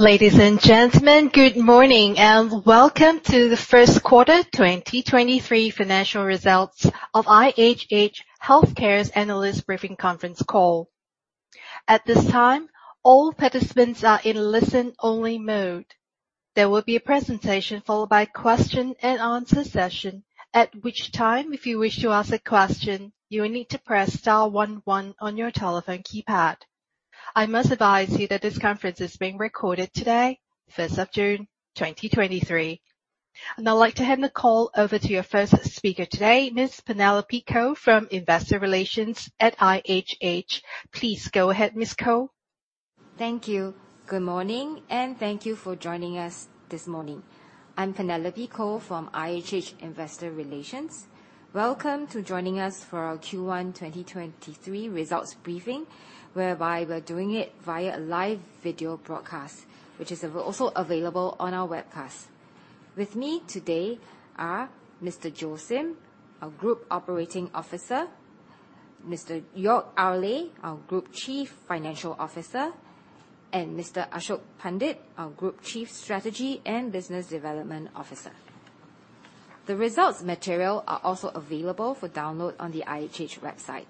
Ladies and gentlemen, good morning, and welcome to the First Quarter 2023 financial results of IHH Healthcare's Analyst Briefing conference call. At this time, all participants are in listen-only mode. There will be a presentation, followed by a question and answer session, at which time, if you wish to ask a question, you will need to press star one one on your telephone keypad. I must advise you that this conference is being recorded today, 1st of June, 2023. I'd like to hand the call over to your first speaker today, Ms. Penelope Koh, from Investor Relations at IHH. Please go ahead, Ms. Koh. Thank you. Good morning, thank you for joining us this morning. I'm Penelope Koh from IHH Investor Relations. Welcome to joining us for our Q1 2023 results briefing, whereby we're doing it via a live video broadcast, which is also available on our webcast. With me today are Mr. Joe Sim, our Group Operating Officer, Mr. Joerg Ayrle, our Group Chief Financial Officer, and Mr. Ashok Pandit, our Group Chief Strategy and Business Development Officer. The results material are also available for download on the IHH website.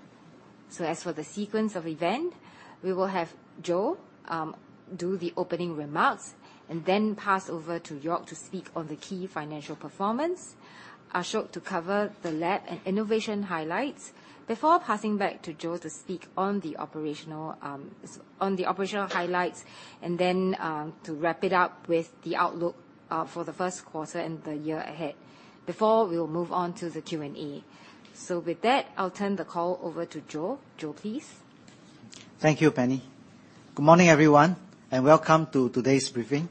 As for the sequence of event, we will have Joe do the opening remarks and then pass over to Joerg to speak on the key financial performance. Ashok, to cover the Lab and Innovation highlights, before passing back to Joe to speak on the operational highlights, and then to wrap it up with the outlook for the first quarter and the year ahead, before we'll move on to the Q&A. With that, I'll turn the call over to Joe. Joe, please. Thank you, Penny. Good morning, everyone, and welcome to today's briefing.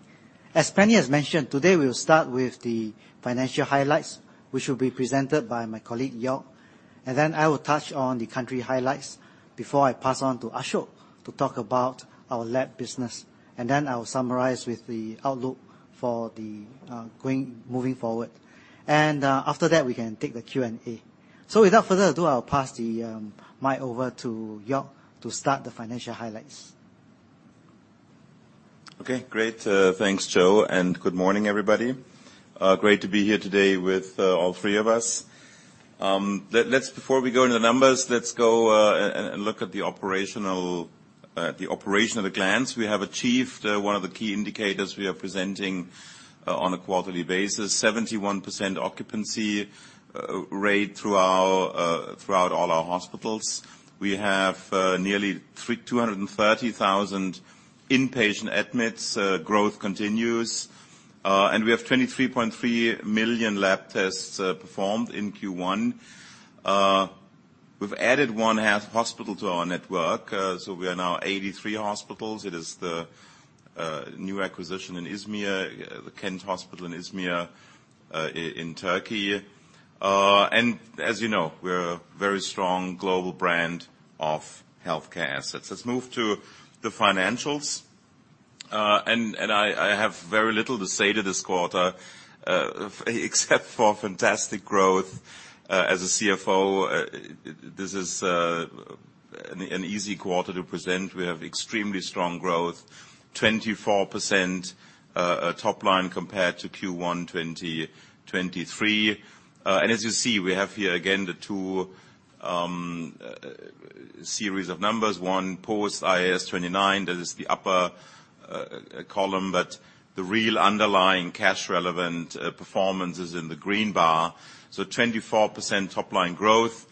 As Penny has mentioned, today we'll start with the financial highlights, which will be presented by my colleague, Joerg. Then I will touch on the country highlights before I pass on to Ashok to talk about our Lab business. Then I will summarize with the outlook for the moving forward. After that, we can take the Q&A. Without further ado, I'll pass the mic over to Joerg to start the financial highlights. Okay, great. Thanks, Joe, good morning, everybody. Great to be here today with all three of us. Let's before we go into the numbers, let's look at the operational, the operation at a glance. We have achieved one of the key indicators we are presenting on a quarterly basis, 71% occupancy rate throughout all our hospitals. We have nearly 230,000 inpatient admits. Growth continues. We have 23.3 million lab tests performed in Q1. We've added one hospital to our network, so we are now 83 hospitals. It is the new acquisition in Izmir, the Kent Hospital in Izmir, in Turkey. As you know, we're a very strong global brand of healthcare assets. Let's move to the financials. I have very little to say to this quarter, except for fantastic growth. As a CFO, this is an easy quarter to present. We have extremely strong growth, 24% top line compared to Q1 2023. As you see, we have here again the two series of numbers, one post IAS 29. That is the upper column, the real underlying cash-relevant performance is in the green bar. 24% top line growth,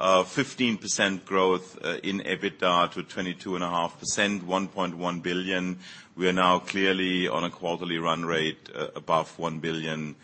15% growth in EBITDA to 22.5%, 1.1 billion. We are now clearly on a quarterly run rate above 1 billion,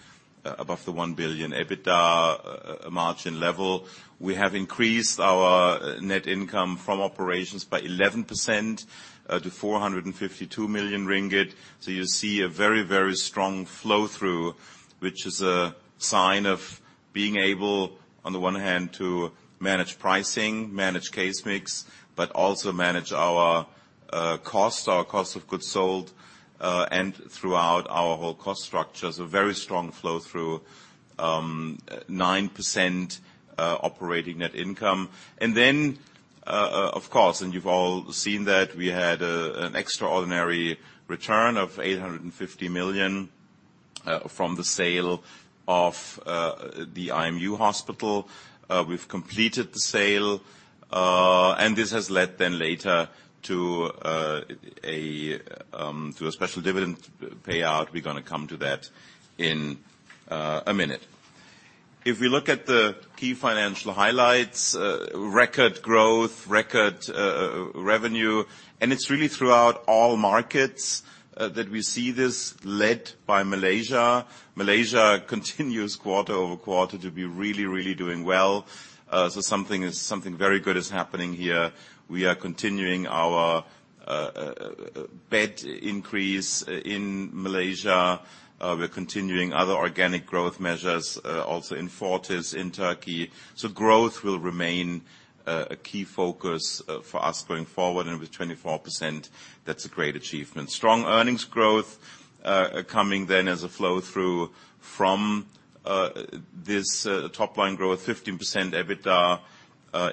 above the 1 billion EBITDA margin level. We have increased our net income from operations by 11%, to 452 million ringgit. You see a very, very strong flow-through, which is a sign of being able, on the one hand, to manage pricing, manage case mix, but also manage our cost of goods sold, and throughout our whole cost structure. Very strong flow-through, 9% operating net income. Of course, and you've all seen that we had an extraordinary return of 850 million from the sale of the IMU Hospital. We've completed the sale, and this has led then later to a special dividend payout. We're gonna come to that in a minute. If we look at the key financial highlights, record growth, record revenue, and it's really throughout all markets that we see this, led by Malaysia. Malaysia continues quarter-over-quarter to be really, really doing well, so something very good is happening here. We are continuing our bed increase in Malaysia. We're continuing other organic growth measures also in Fortis, in Turkey. Growth will remain a key focus for us going forward, and with 24%, that's a great achievement. Strong earnings growth coming then as a flow-through from this top line growth, 15% EBITDA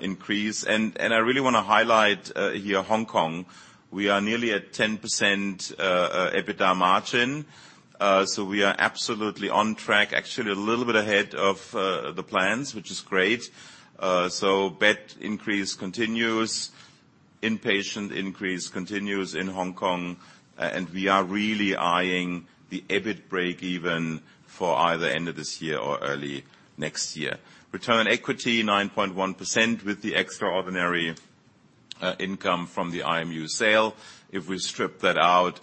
increase. I really wanna highlight here, Hong Kong. We are nearly at 10% EBITDA margin, so we are absolutely on track, actually a little bit ahead of the plans, which is great. Bed increase continues, inpatient increase continues in Hong Kong, and we are really eyeing the EBIT breakeven for either end of this year or early next year. Return on equity, 9.1% with the extraordinary income from the IMU sale. If we strip that out,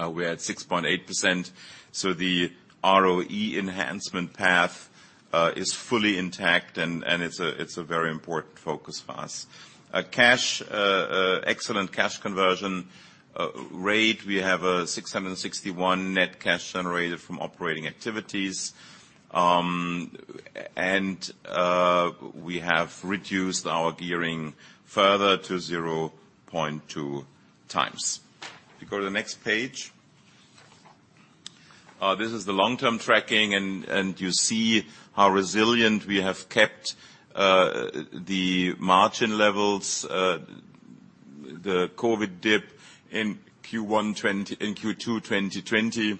we're at 6.8%, so the ROE enhancement path is fully intact, and it's a very important focus for us. Excellent cash conversion rate. We have 661 net cash generated from operating activities. We have reduced our gearing further to 0.2x. If you go to the next page. This is the long-term tracking, and you see how resilient we have kept the margin levels, the COVID dip in Q2 2020,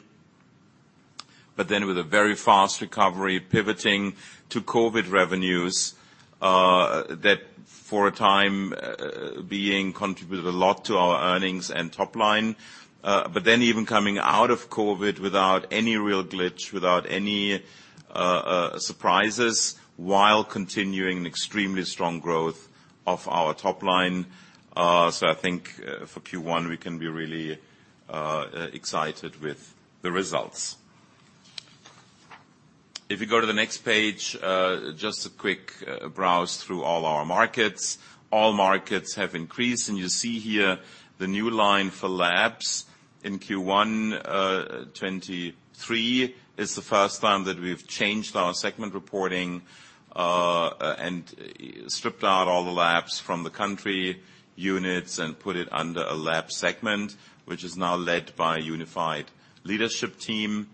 with a very fast recovery, pivoting to COVID revenues, that for a time, being contributed a lot to our earnings and top line. Even coming out of COVID without any real glitch, without any surprises, while continuing extremely strong growth of our top line. I think for Q1, we can be really excited with the results. If you go to the next page, just a quick browse through all our markets. All markets have increased, and you see here the new line for Labs. In Q1 2023, is the first time that we've changed our segment reporting, and stripped out all the Labs from the country units and put it under a Lab segment, which is now led by a unified leadership team.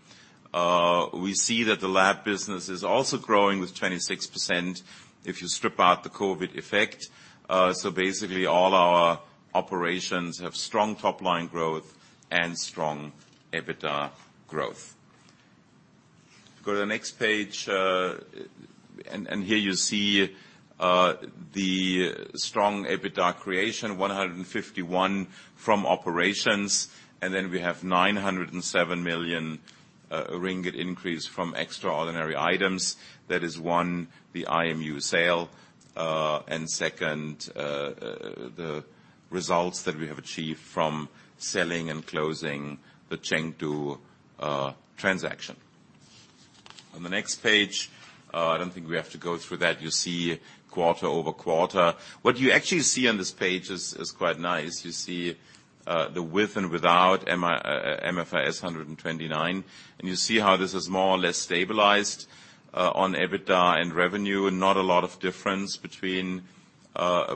We see that the Lab business is also growing with 26% if you strip out the COVID effect. Basically, all our operations have strong top-line growth and strong EBITDA growth. Go to the next page, and here you see, the strong EBITDA creation, 151 from operations, and then we have 907 million ringgit increase from extraordinary items. That is one, the IMU sale, and second, the results that we have achieved from selling and closing the Chengdu transaction. On the next page, I don't think we have to go through that. You see quarter-over-quarter. What you actually see on this page is quite nice. You see the with and without MFRS 129, and you see how this is more or less stabilized on EBITDA and revenue, and not a lot of difference between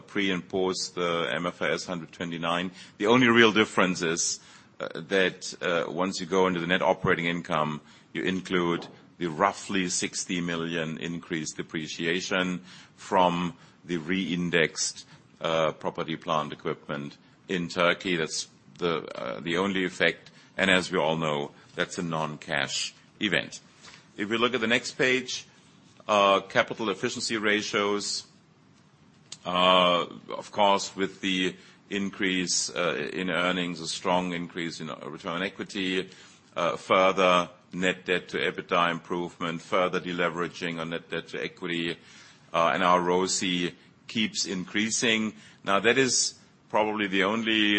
pre- and post- the MFRS 129. The only real difference is that once you go into the net operating income, you include the roughly 60 million increased depreciation from the re-indexed property plant equipment in Turkey. That's the only effect, and as we all know, that's a non-cash event. If we look at the next page, capital efficiency ratios, of course, with the increase in earnings, a strong increase in our return on equity, further net debt to EBITDA improvement, further deleveraging on net debt to equity, and our ROCE keeps increasing. Now, that is probably the only,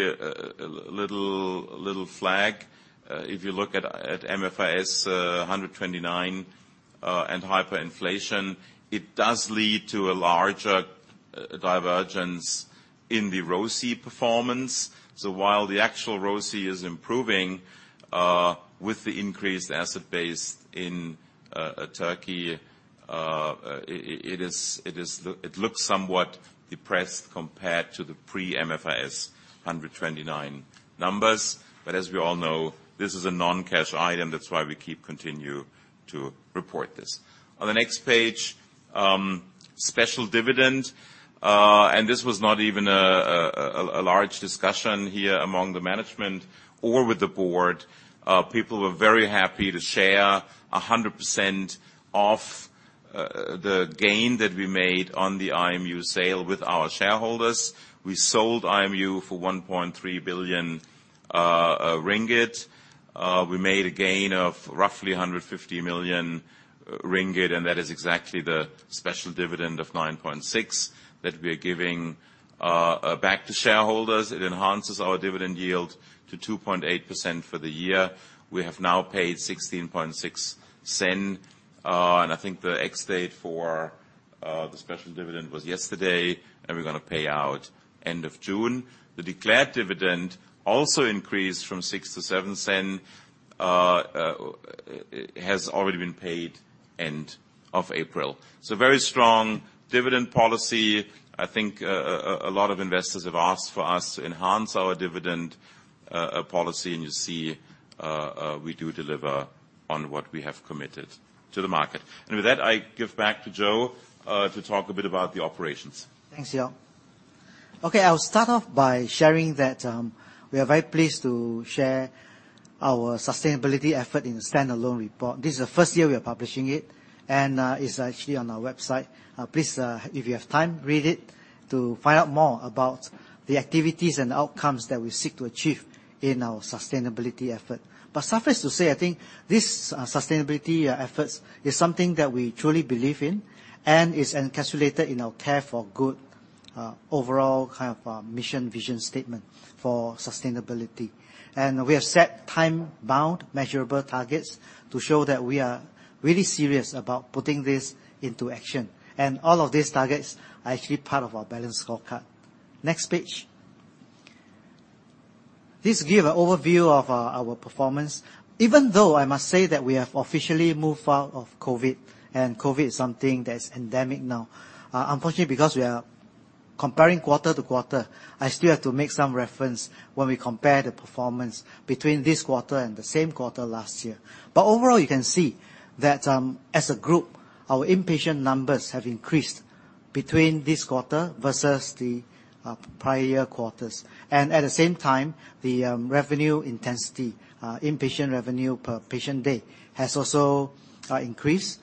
little flag. If you look at MFRS 129, and hyperinflation, it does lead to a larger divergence in the ROCE performance. While the actual ROCE is improving, with the increased asset base in Turkey, it is, it looks somewhat depressed compared to the pre-MFRS 129 numbers. As we all know, this is a non-cash item. That's why we keep continuing to report this. On the next page, special dividend, this was not even a large discussion here among the management or with the board. People were very happy to share 100% of the gain that we made on the IMU sale with our shareholders. We sold IMU for 1.3 billion ringgit. We made a gain of roughly 150 million ringgit, and that is exactly the special dividend of 0.96 that we are giving back to shareholders. It enhances our dividend yield to 2.8% for the year. We have now paid 0.166, and I think the ex-date for the special dividend was yesterday, and we're gonna pay out end of June. The declared dividend also increased from 0.6 to 0.7, has already been paid end of April. Very strong dividend policy. I think a lot of investors have asked for us to enhance our dividend policy, and you see, we do deliver on what we have committed to the market. With that, I give back to Joe, to talk a bit about the operations. Thanks, Joerg. Okay, I'll start off by sharing that we are very pleased to share our sustainability effort in a standalone report. This is the first year we are publishing it's actually on our website. Please, if you have time, read it to find out more about the activities and outcomes that we seek to achieve in our sustainability effort. Suffice to say, I think this sustainability efforts is something that we truly believe in and is encapsulated in our Care for Good overall kind of mission-vision statement for sustainability. We have set time-bound, measurable targets to show that we are really serious about putting this into action, and all of these targets are actually part of our balanced scorecard. Next page. This give an overview of our performance. Even though I must say that we have officially moved out of COVID, and COVID is something that is endemic now, unfortunately, because we are comparing quarter to quarter, I still have to make some reference when we compare the performance between this quarter and the same quarter last year. Overall, you can see that, as a group, our inpatient numbers have increased between this quarter versus the prior quarters. At the same time, the revenue intensity, inpatient revenue per patient day, has also increased,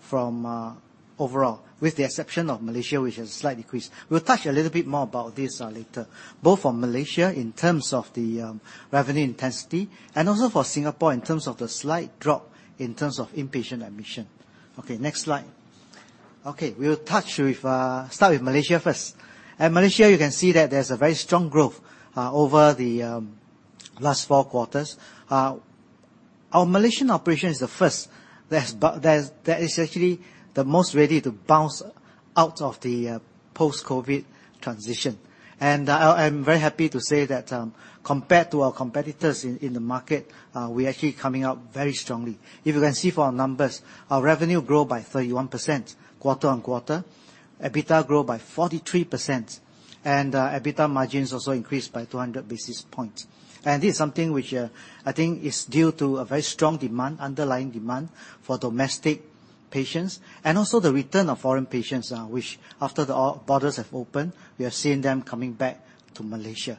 from overall, with the exception of Malaysia, which has a slight decrease. We'll touch a little bit more about this later, both for Malaysia in terms of the revenue intensity and also for Singapore in terms of the slight drop in terms of inpatient admission. Okay, next slide. We will start with Malaysia first. At Malaysia, you can see that there's a very strong growth over the last four quarters. Our Malaysian operation is the first that is actually the most ready to bounce out of the post-COVID transition. I'm very happy to say that compared to our competitors in the market, we're actually coming up very strongly. If you can see from our numbers, our revenue grew by 31% quarter-on-quarter, EBITDA grew by 43%, EBITDA margins also increased by 200 basis points. This is something which, I think is due to a very strong demand, underlying demand for domestic patients, and also the return of foreign patients, which after the all borders have opened, we are seeing them coming back to Malaysia.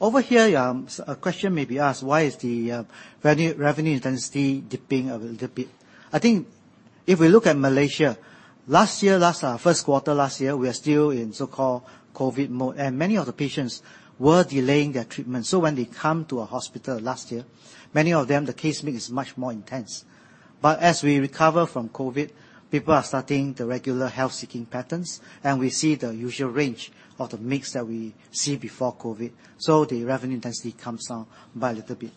Over here, a question may be asked, why is the revenue intensity dipping a little bit? I think if we look at Malaysia, last year, last first quarter last year, we are still in so-called COVID mode, and many of the patients were delaying their treatment. When they come to a hospital last year, many of them, the case mix is much more intense. As we recover from COVID, people are starting the regular health-seeking patterns, and we see the usual range or the mix that we see before COVID, so the revenue intensity comes down by a little bit.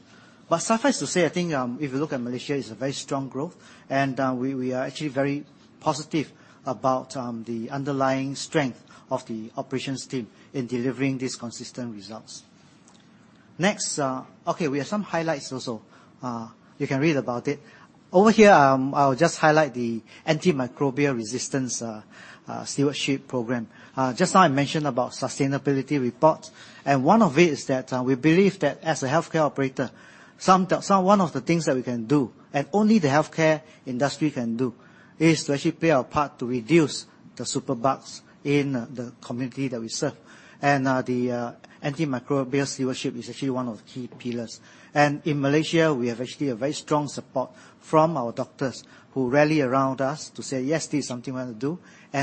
Suffice to say, I think, if you look at Malaysia, it's a very strong growth, and we are actually very positive about the underlying strength of the operations team in delivering these consistent results. Next. Okay, we have some highlights also. You can read about it. Over here, I'll just highlight the antimicrobial resistance stewardship program. Just now I mentioned about sustainability report, and one of it is that we believe that as a healthcare operator, some, one of the things that we can do, and only the healthcare industry can do, is to actually play our part to reduce the superbugs in the community that we serve. The antimicrobial stewardship is actually one of the key pillars. In Malaysia, we have actually a very strong support from our doctors, who rally around us to say, "Yes, this is something we want to do."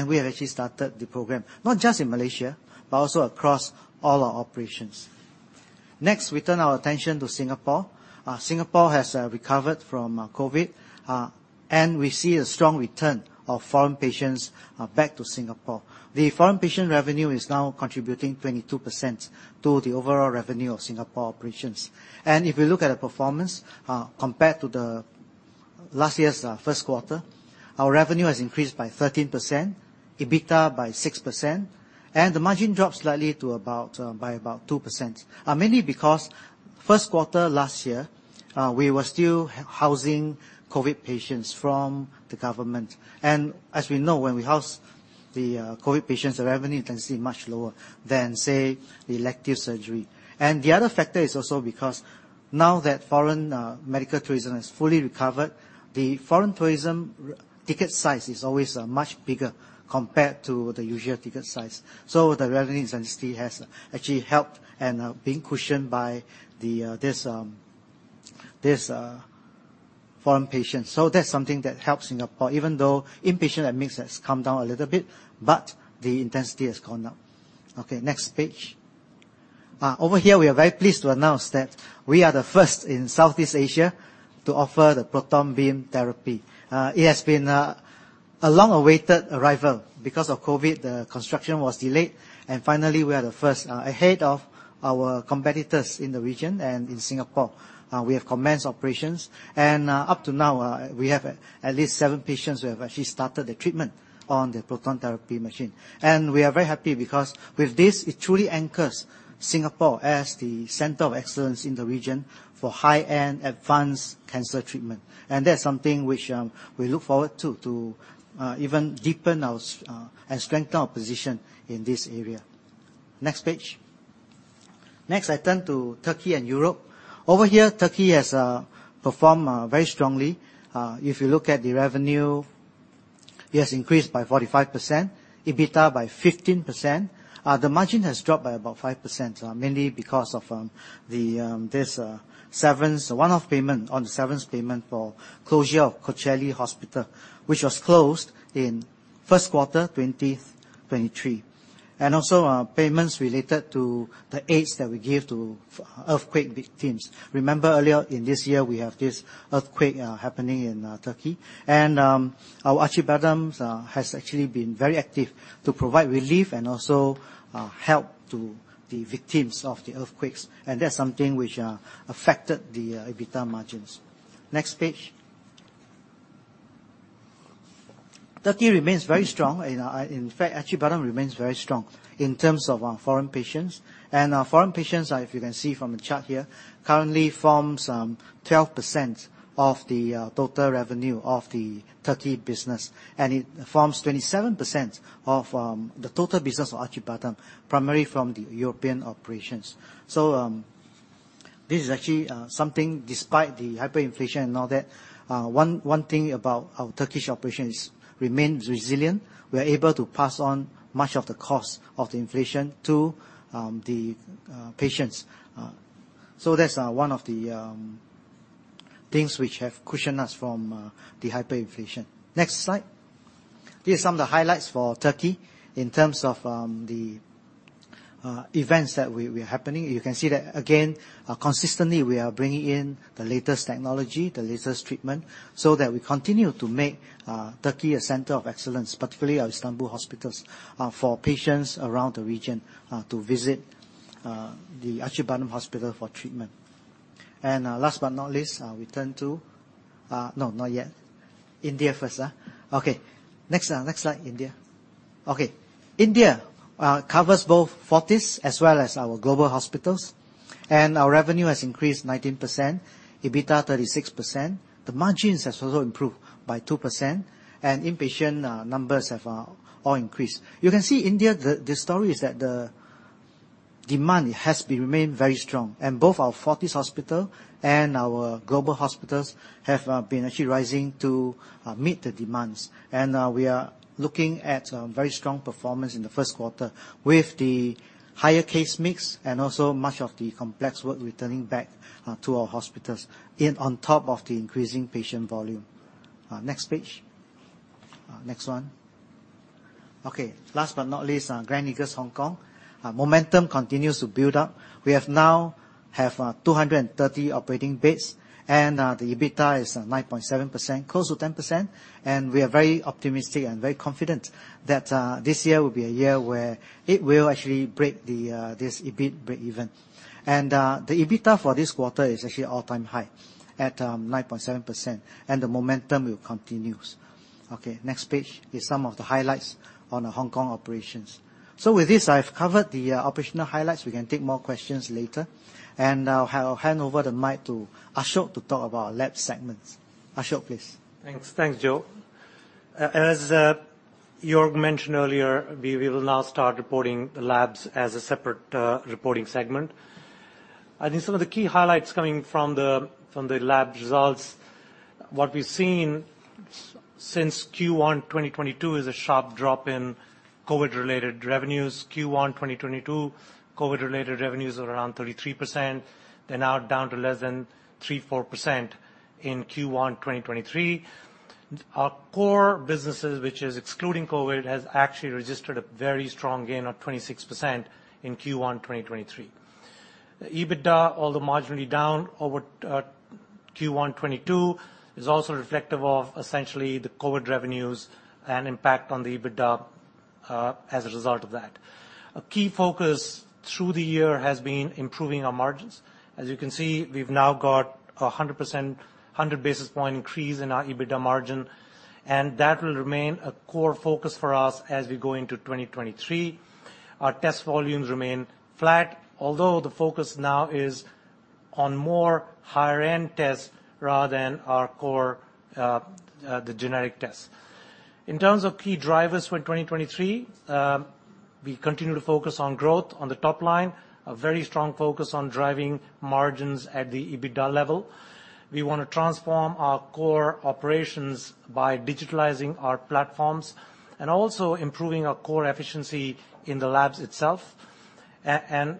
We have actually started the program, not just in Malaysia, but also across all our operations. Next, we turn our attention to Singapore. Singapore has recovered from COVID, and we see a strong return of foreign patients back to Singapore. The foreign patient revenue is now contributing 22% to the overall revenue of Singapore operations. If you look at the performance compared to the last year's first quarter, our revenue has increased by 13%, EBITDA by 6%, and the margin dropped slightly by about 2%. Mainly because first quarter last year, we were still housing COVID patients from the government. As we know, when we house the COVID patients, the revenue intensity is much lower than, say, the elective surgery. The other factor is also because now that foreign medical tourism has fully recovered, the foreign tourism ticket size is always much bigger compared to the usual ticket size. The revenue intensity has actually helped and been cushioned by this foreign patient. That's something that helps Singapore, even though inpatient mix has come down a little bit, but the intensity has gone up. Next page. Over here, we are very pleased to announce that we are the first in Southeast Asia to offer the proton beam therapy. It has been a long-awaited arrival. Because of COVID, the construction was delayed, and finally, we are the first ahead of our competitors in the region and in Singapore. We have commenced operations, and up to now, we have at least seven patients who have actually started their treatment on the proton therapy machine. We are very happy because with this, it truly anchors Singapore as the center of excellence in the region for high-end, advanced cancer treatment. That's something which we look forward to even deepen our and strengthen our position in this area. Next page. Next, I turn to Turkey and Europe. Over here, Turkey has performed very strongly. If you look at the revenue, it has increased by 45%, EBITDA by 15%. The margin has dropped by about 5%, mainly because of the this severance, one-off payment on the severance payment for closure of Kocaeli Hospital, which was closed in first quarter, 2023. Also, payments related to the aids that we gave to earthquake victims. Remember earlier in this year, we have this earthquake happening in Turkey, and our Acıbadems has actually been very active to provide relief and also help to the victims of the earthquakes, and that's something which affected the EBITDA margins. Next page. Turkey remains very strong, and in fact, Acıbadem remains very strong in terms of foreign patients. Our foreign patients, if you can see from the chart here, currently forms 12% of the total revenue of the Turkey business, and it forms 27% of the total business of Acıbadem, primarily from the European operations. This is actually something despite the hyperinflation and all that, one thing about our Turkish operation is remains resilient. We are able to pass on much of the cost of the inflation to the patients. So that's one of the things which have cushioned us from the hyperinflation. Next slide. These are some of the highlights for Turkey in terms of the events that were happening. You can see that again, consistently, we are bringing in the latest technology, the latest treatment, so that we continue to make Turkey a center of excellence, particularly our Istanbul hospitals, for patients around the region, to visit the Acıbadem Hospital for treatment. Last but not least, we turn to... No, not yet. India first? Next, next slide, India. India covers both Fortis as well as our global hospitals, and our revenue has increased 19%, EBITDA, 36%. The margins has also improved by 2%. Inpatient numbers have all increased. You can see India, the story is that the demand has been remained very strong. Both our Fortis Hospital and our global hospitals have been actually rising to meet the demands. We are looking at very strong performance in the first quarter with the higher case mix and also much of the complex work returning back to our hospitals, on top of the increasing patient volume. Next page. Next one. Last but not least, Gleneagles Hospital Hong Kong. Momentum continues to build up. We now have 230 operating beds, the EBITDA is 9.7%, close to 10%, and we are very optimistic and very confident that this year will be a year where it will actually break the this EBIT breakeven. The EBITDA for this quarter is actually all-time high, at 9.7%, and the momentum will continues. Next page is some of the highlights on the Hong Kong operations. With this, I've covered the operational highlights. We can take more questions later, and I'll hand over the mic to Ashok to talk about our Lab segments. Ashok, please. Thanks. Thanks, Joe. As Joerg mentioned earlier, we will now start reporting the Labs as a separate reporting segment. I think some of the key highlights coming from the Lab results, what we've seen since Q1 2022, is a sharp drop in COVID-related revenues. Q1 2022 COVID-related revenues were around 33%. They're now down to less than 3%-4% in Q1 2023. Our core businesses, which is excluding COVID, has actually registered a very strong gain of 26% in Q1 2023. EBITDA, although marginally down over Q1 2022, is also reflective of essentially the COVID revenues and impact on the EBITDA as a result of that. A key focus through the year has been improving our margins. As you can see, we've now got a 100%, 100 basis point increase in our EBITDA margin. That will remain a core focus for us as we go into 2023. Our test volumes remain flat, although the focus now is on more higher-end tests rather than our core, the generic tests. In terms of key drivers for 2023, we continue to focus on growth on the top line, a very strong focus on driving margins at the EBITDA level. We wanna transform our core operations by digitalizing our platforms and also improving our core efficiency in the labs itself, and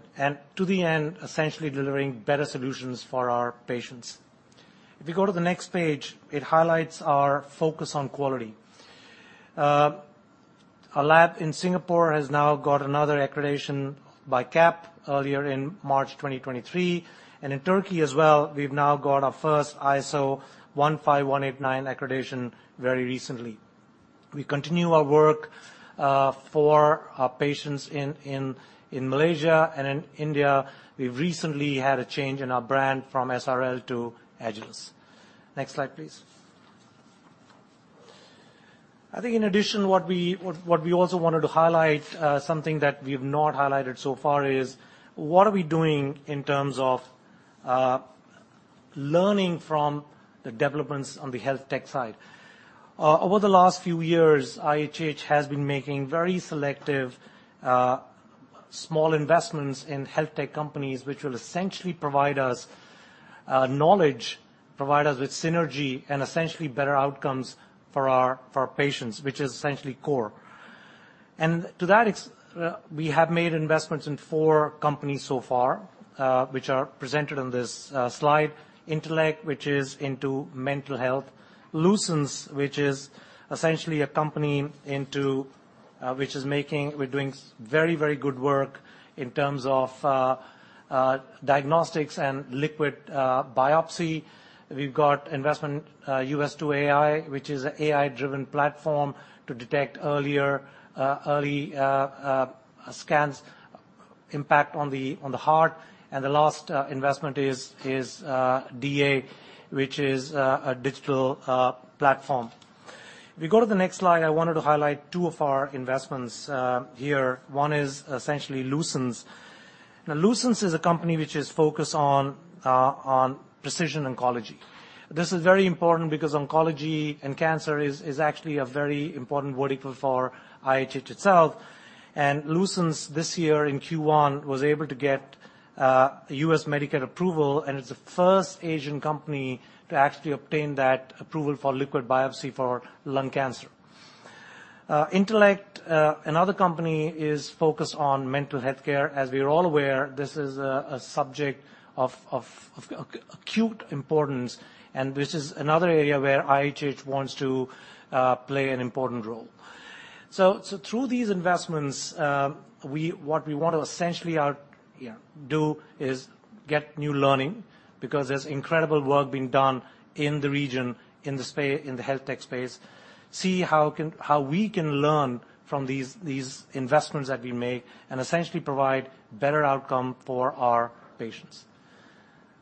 to the end, essentially delivering better solutions for our patients. If you go to the next page, it highlights our focus on quality. Our lab in Singapore has now got another accreditation by CAP earlier in March 2023. In Turkey as well, we've now got our first ISO 15189 accreditation very recently. We continue our work for our patients in Malaysia and in India. We've recently had a change in our brand from SRL to Agilus. Next slide, please. I think in addition, what we also wanted to highlight, something that we've not highlighted so far, is what are we doing in terms of learning from the developments on the health tech side. Over the last few years, IHH has been making very selective, small investments in health tech companies, which will essentially provide us knowledge, provide us with synergy, and essentially better outcomes for our patients, which is essentially core. To that, we have made investments in four companies so far, which are presented on this slide. Intellect, which is into mental health. Lucence, which is essentially a company into which is doing very good work in terms of diagnostics and liquid biopsy. We've got investment, Us2.ai, which is AI-driven platform to detect earlier, early scans impact on the heart. The last investment is DA, which is a digital platform. If we go to the next slide, I wanted to highlight two of our investments here. One is essentially Lucence. Now, Lucence is a company which is focused on precision oncology. This is very important because oncology and cancer is actually a very important vertical for IHH itself. Lucence, this year in Q1, was able to get U.S. Medicare approval, and it's the first Asian company to actually obtain that approval for liquid biopsy for lung cancer. Intellect, another company, is focused on mental health care. As we are all aware, this is a subject of acute importance, and this is another area where IHH wants to play an important role. Through these investments, what we want to essentially do is get new learning, because there's incredible work being done in the region, in the health tech space. See how we can learn from these investments that we make, and essentially provide better outcome for our patients.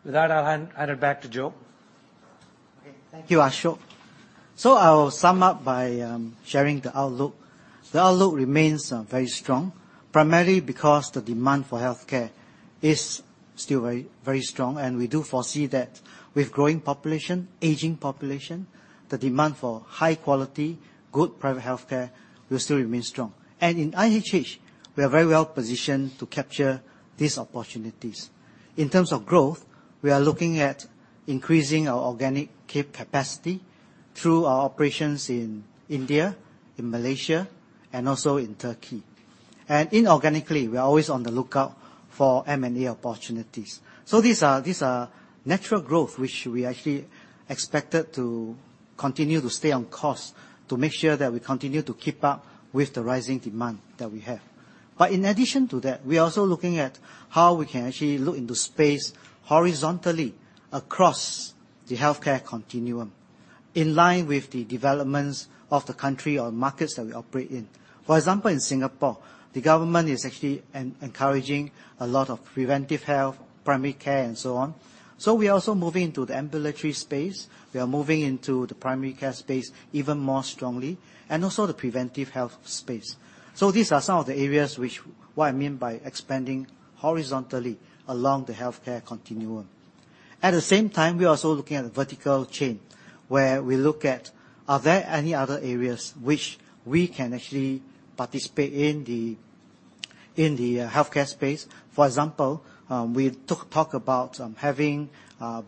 With that, I'll hand it back to Joe. Okay. Thank you, Ashok. I will sum up by sharing the outlook. The outlook remains very strong, primarily because the demand for healthcare is still very, very strong. We do foresee that with growing population, aging population, the demand for high quality, good private healthcare will still remain strong. In IHH, we are very well positioned to capture these opportunities. In terms of growth, we are looking at increasing our organic capacity through our operations in India, in Malaysia, and also in Turkey. Inorganically, we are always on the lookout for M&A opportunities. These are, these are natural growth, which we actually expected to continue to stay on course, to make sure that we continue to keep up with the rising demand that we have. In addition to that, we are also looking at how we can actually look into space horizontally across the healthcare continuum, in line with the developments of the country or markets that we operate in. For example, in Singapore, the government is actually encouraging a lot of preventive health, primary care, and so on. We are also moving into the ambulatory space. We are moving into the primary care space even more strongly, and also the preventive health space. These are some of the areas what I mean by expanding horizontally along the healthcare continuum. At the same time, we are also looking at the vertical chain, where we look at, are there any other areas which we can actually participate in the healthcare space? For example, we talk about having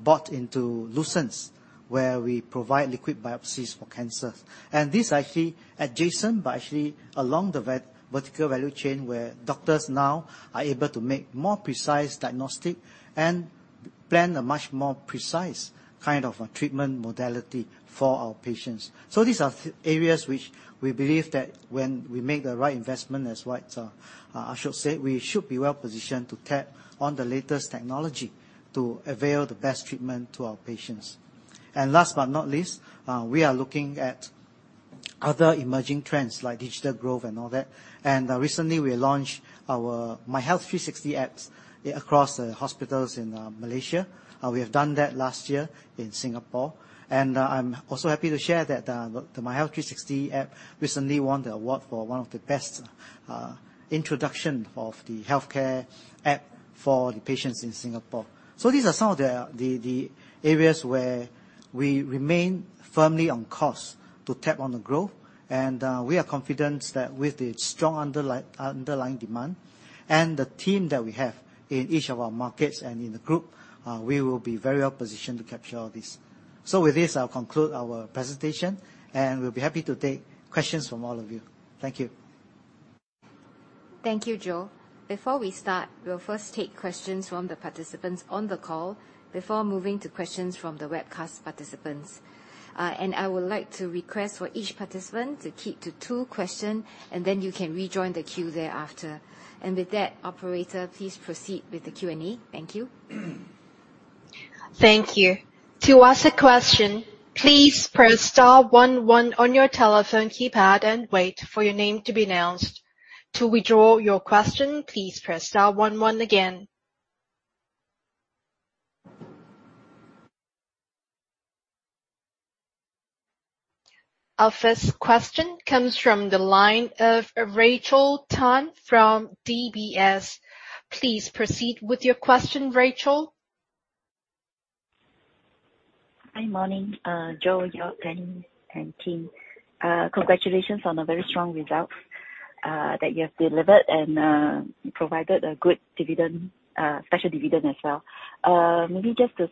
bought into Lucence, where we provide liquid biopsies for cancer. This is actually adjacent, but actually along the vertical value chain, where doctors now are able to make more precise diagnostic and plan a much more precise kind of a treatment modality for our patients. These are areas which we believe that when we make the right investment, as what Ashok said, we should be well positioned to tap on the latest technology to avail the best treatment to our patients. Last but not least, we are looking at other emerging trends like digital growth and all that. Recently, we launched our MyHealth360 app across the hospitals in Malaysia. We have done that last year in Singapore. I'm also happy to share that the MyHealth360 app recently won the award for one of the best introduction of the healthcare app for the patients in Singapore. These are some of the areas where we remain firmly on course to tap on the growth. We are confident that with the strong underlying demand and the team that we have in each of our markets and in the group, we will be very well positioned to capture all this. With this, I'll conclude our presentation, and we'll be happy to take questions from all of you. Thank you. Thank you, Joe. Before we start, we'll first take questions from the participants on the call before moving to questions from the webcast participants. I would like to request for each participant to keep to two question, then you can rejoin the queue thereafter. With that, operator, please proceed with the Q&A. Thank you. Thank you. To ask a question, please press star one one on your telephone keypad and wait for your name to be announced. To withdraw your question, please press star one one again. Our first question comes from the line of Rachel Tan from DBS. Please proceed with your question, Rachel. Hi, morning, Joe, Joerg, Penny, and team. Congratulations on the very strong results, that you have delivered and provided a good dividend, special dividend as well. Maybe just to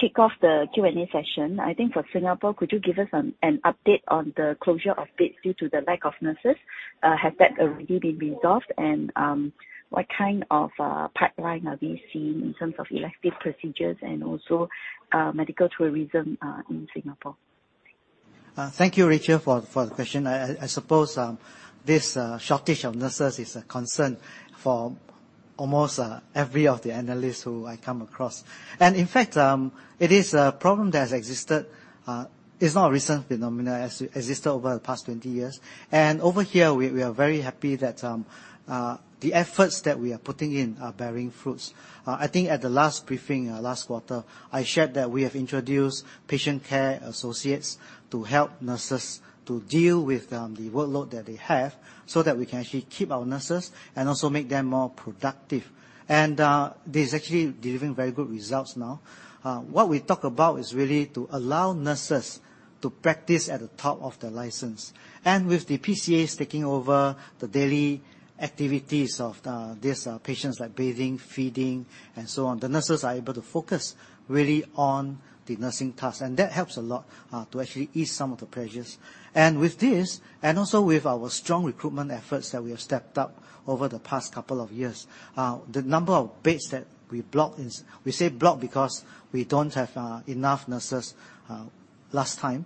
kick off the Q&A session, I think for Singapore, could you give us an update on the closure of dates due to the lack of nurses? Has that already been resolved? What kind of pipeline are we seeing in terms of elective procedures and also medical tourism in Singapore? Thank you, Rachel, for the question. I suppose this shortage of nurses is a concern for almost every of the analysts who I come across. In fact, it is a problem that has existed. It's not a recent phenomenon. It has existed over the past 20 years, over here we are very happy that the efforts that we are putting in are bearing fruits. I think at the last briefing, last quarter, I shared that we have introduced patient care associates to help nurses to deal with the workload that they have, so that we can actually keep our nurses and also make them more productive. This is actually delivering very good results now. What we talk about is really to allow nurses to practice at the top of the license and with the PCAs taking over the daily activities of this patients like bathing, feeding and so on. The nurses focus on really on the nursing task and that helps a lot to actually ease some of the pressures and with this, and also with our strong recruitment effort, that we have step up over the past couple of years. The number of beds we blocked recently, we say block because we don't have enough nurses, last time.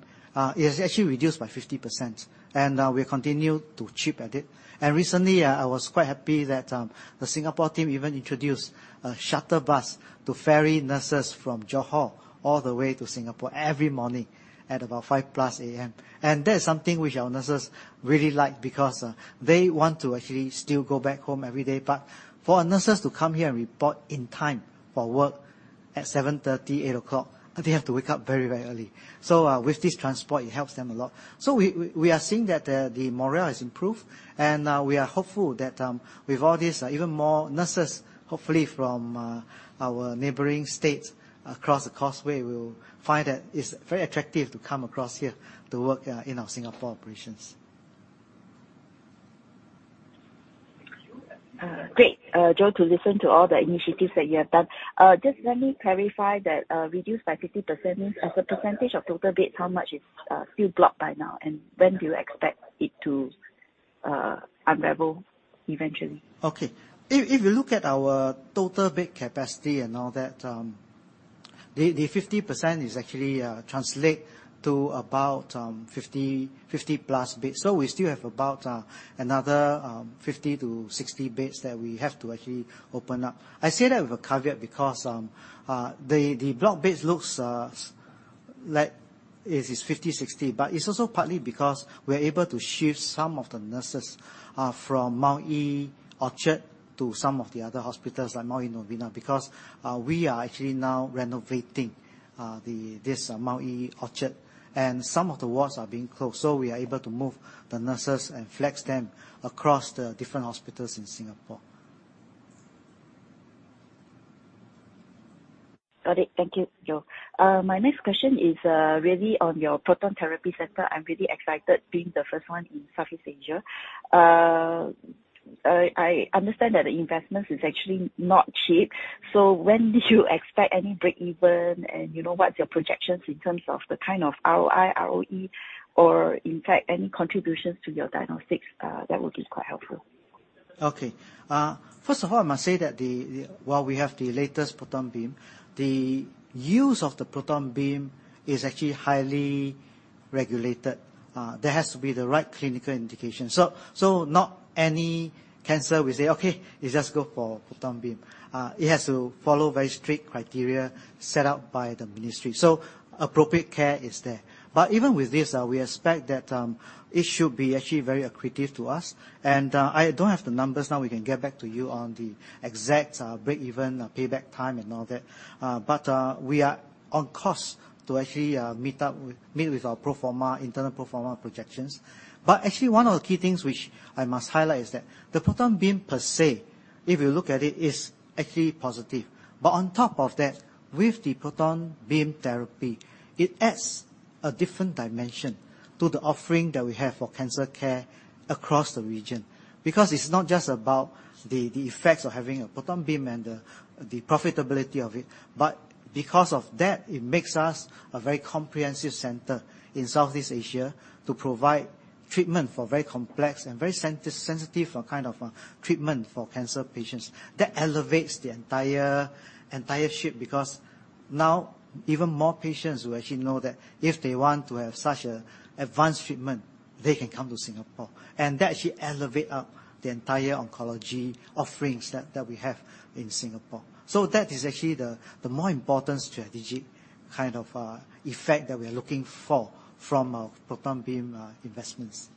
Is actually reduced by 50% and we continue to chip at it. And recently, I was quite happy that the Singapore team even introduced a shuttle bus to ferry nurses from Johor all the way to Singapore every morning at about 5:00+ A.M. That is something which our nurses really like, because they want to actually still go back home every day. For our nurses to come here and report in time for work at 7:30 A.M., 8:00 A.M., they have to wake up very, very early. With this transport, it helps them a lot. We are seeing that the morale has improved, and we are hopeful that with all this, even more nurses, hopefully from our neighboring states across the causeway, will find that it's very attractive to come across here to work in our Singapore operations. Great, Joe, to listen to all the initiatives that you have done. Just let me clarify that reduced by 50% means, as a percentage of total beds, how much is still blocked by now, and when do you expect it to unravel eventually? Okay. If you look at our total bed capacity and all that, the 50% is actually translate to about 50+ beds. We still have about another 50-60 beds that we have to actually open up. I say that with a caveat, because the blocked beds looks like it is 50, 60, but it's also partly because we're able to shift some of the nurses from Mount Elizabeth Orchard to some of the other hospitals, like Mount Elizabeth Novena, because we are actually now renovating this Mount Elizabeth Orchard, and some of the wards are being closed. We are able to move the nurses and flex them across the different hospitals in Singapore. Got it. Thank you, Joe. My next question is really on your proton therapy center. I'm really excited, being the first one in Southeast Asia. I understand that the investment is actually not cheap. When did you expect any breakeven? You know, what's your projections in terms of the kind of ROI, ROE, or in fact, any contributions to your diagnostics? That would be quite helpful. Okay. First of all, I must say that while we have the latest proton beam, the use of the proton beam is actually highly regulated. There has to be the right clinical indication. Not any cancer, we say, "Okay, you just go for proton beam." It has to follow very strict criteria set out by the ministry, so appropriate care is there. Even with this, we expect that it should be actually very accretive to us. I don't have the numbers now. We can get back to you on the exact breakeven, payback time, and all that. We are on course to actually meet with our pro forma, internal pro forma projections. Actually, one of the key things which I must highlight is that the proton beam, per se, if you look at it, is actually positive. On top of that, with the proton beam therapy, it adds a different dimension to the offering that we have for cancer care across the region. It's not just about the effects of having a proton beam and the profitability of it, but because of that, it makes us a very comprehensive center in Southeast Asia to provide treatment for very complex and very sensitive kind of treatment for cancer patients. That elevates the entire ship, because now even more patients will actually know that if they want to have such a advanced treatment, they can come to Singapore. That actually elevate up the entire oncology offerings that we have in Singapore. That is actually the more important strategic kind of effect that we're looking for from our proton beam investments.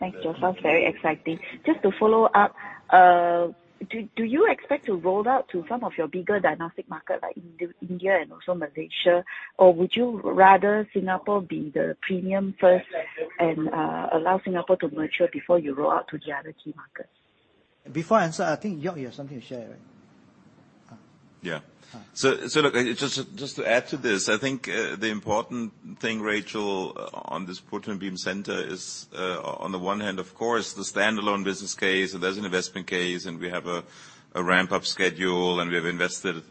Thanks, Joe. Sounds very exciting. Just to follow up, do you expect to roll out to some of your bigger diagnostic market, like India and also Malaysia? Would you rather Singapore be the premium first and allow Singapore to mature before you roll out to the other key markets? Before I answer, I think Joerg, you have something to share, right? Yeah. Ah. Look, just to add to this, I think the important thing, Rachel, on this proton beam center is on the one hand, of course, the standalone business case, there's an investment case, and we have a ramp-up schedule, and we have invested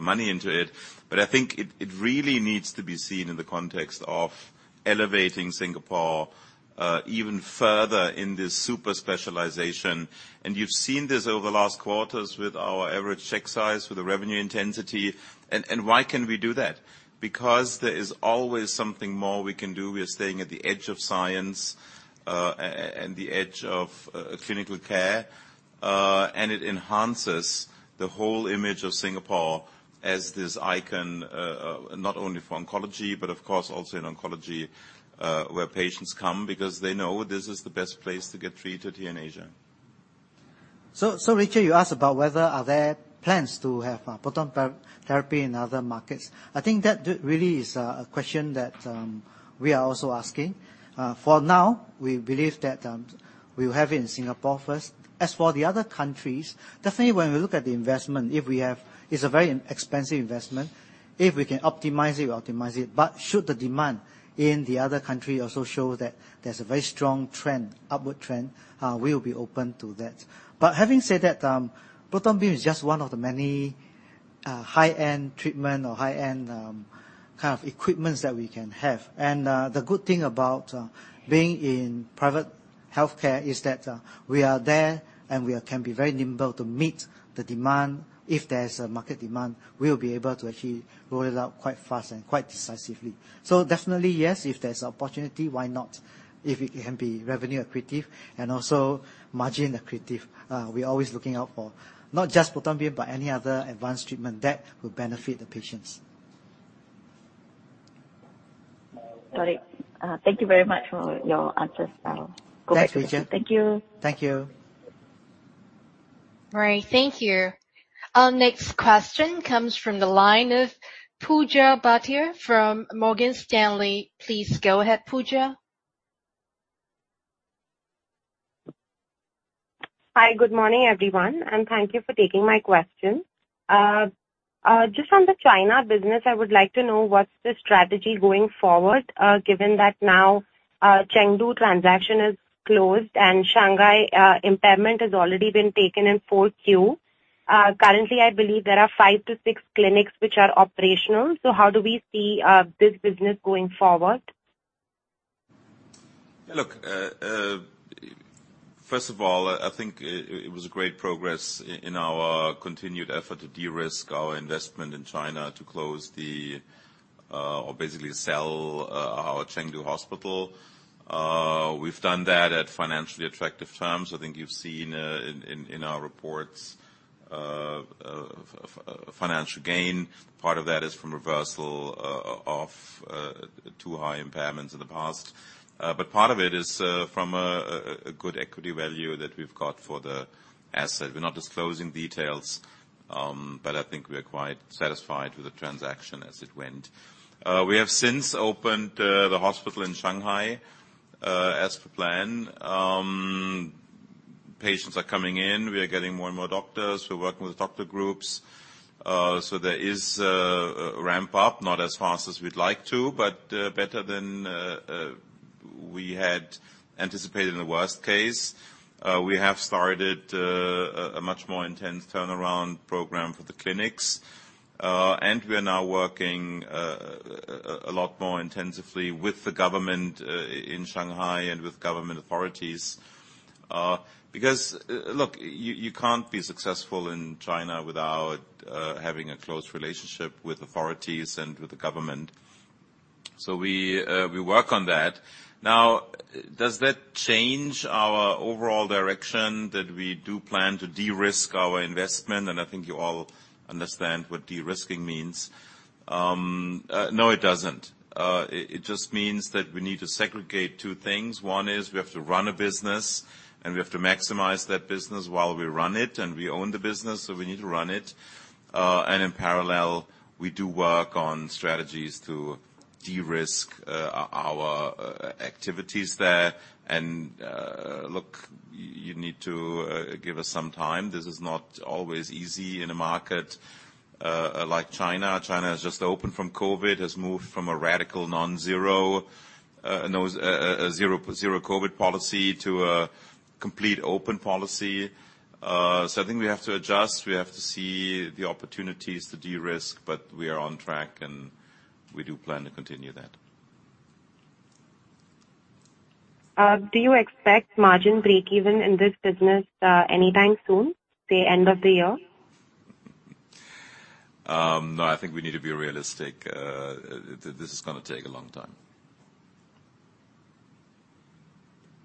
money into it. I think it really needs to be seen in the context of elevating Singapore even further in this super specialization. You've seen this over the last quarters with our average check size, with the revenue intensity. Why can we do that? Because there is always something more we can do. We are staying at the edge of science and the edge of clinical care. It enhances the whole image of Singapore as this icon, not only for oncology, but of course, also in oncology, where patients come because they know this is the best place to get treated here in Asia. Rachel, you asked about whether are there plans to have proton therapy in other markets. I think that really is a question that we are also asking. For now, we believe that we'll have it in Singapore first. As for the other countries, definitely when we look at the investment. It's a very expensive investment. If we can optimize it, we optimize it. Should the demand in the other country also show that there's a very strong trend, upward trend, we will be open to that. Having said that, proton beam is just one of the many high-end treatment or high-end kind of equipments that we can have. The good thing about being in private healthcare is that we are there, and we can be very nimble to meet the demand. If there's a market demand, we'll be able to actually roll it out quite fast and quite decisively. Definitely, yes, if there's opportunity, why not? If it can be revenue accretive and also margin accretive, we're always looking out for not just proton beam, but any other advanced treatment that will benefit the patients. Got it. Thank you very much for your answers. I'll go back to queue Thanks, Rachel. Thank you. Thank you. All right. Thank you. Our next question comes from the line of Pooja Bhatia from Morgan Stanley. Please go ahead, Pooja. Hi, good morning, everyone. Thank you for taking my question. Just on the China business, I would like to know what's the strategy going forward, given that now, Chengdu transaction is closed and Shanghai impairment has already been taken in 4Q. Currently, I believe there are five to six clinics which are operational. How do we see this business going forward? Look, first of all, I think it was a great progress in our continued effort to de-risk our investment in China to close the or basically sell our Chengdu hospital. We've done that at financially attractive terms. I think you've seen in our reports financial gain. Part of that is from reversal of two high impairments in the past. Part of it is from a good equity value that we've got for the asset. We're not disclosing details, I think we are quite satisfied with the transaction as it went. We have since opened the hospital in Shanghai as per plan. Patients are coming in. We are getting more and more doctors. We're working with doctor groups. There is a ramp up, not as fast as we'd like to, but better than we had anticipated in the worst case. We have started a much more intense turnaround program for the clinics. We are now working a lot more intensively with the government in Shanghai and with government authorities. Look, you can't be successful in China without having a close relationship with authorities and with the government. We work on that. Does that change our overall direction, that we do plan to de-risk our investment? I think you all understand what de-risking means. No, it doesn't. It just means that we need to segregate two things. One is we have to run a business, and we have to maximize that business while we run it, and we own the business, so we need to run it. In parallel, we do work on strategies to de-risk our activities there. Look, you need to give us some time. This is not always easy in a market like China. China has just opened from COVID, has moved from a radical non-zero, no, zero-COVID policy to a complete open policy. I think we have to adjust. We have to see the opportunities to de-risk, but we are on track, and we do plan to continue that. Do you expect margin break even in this business, anytime soon, say, end of the year? No, I think we need to be realistic. This is going to take a long time.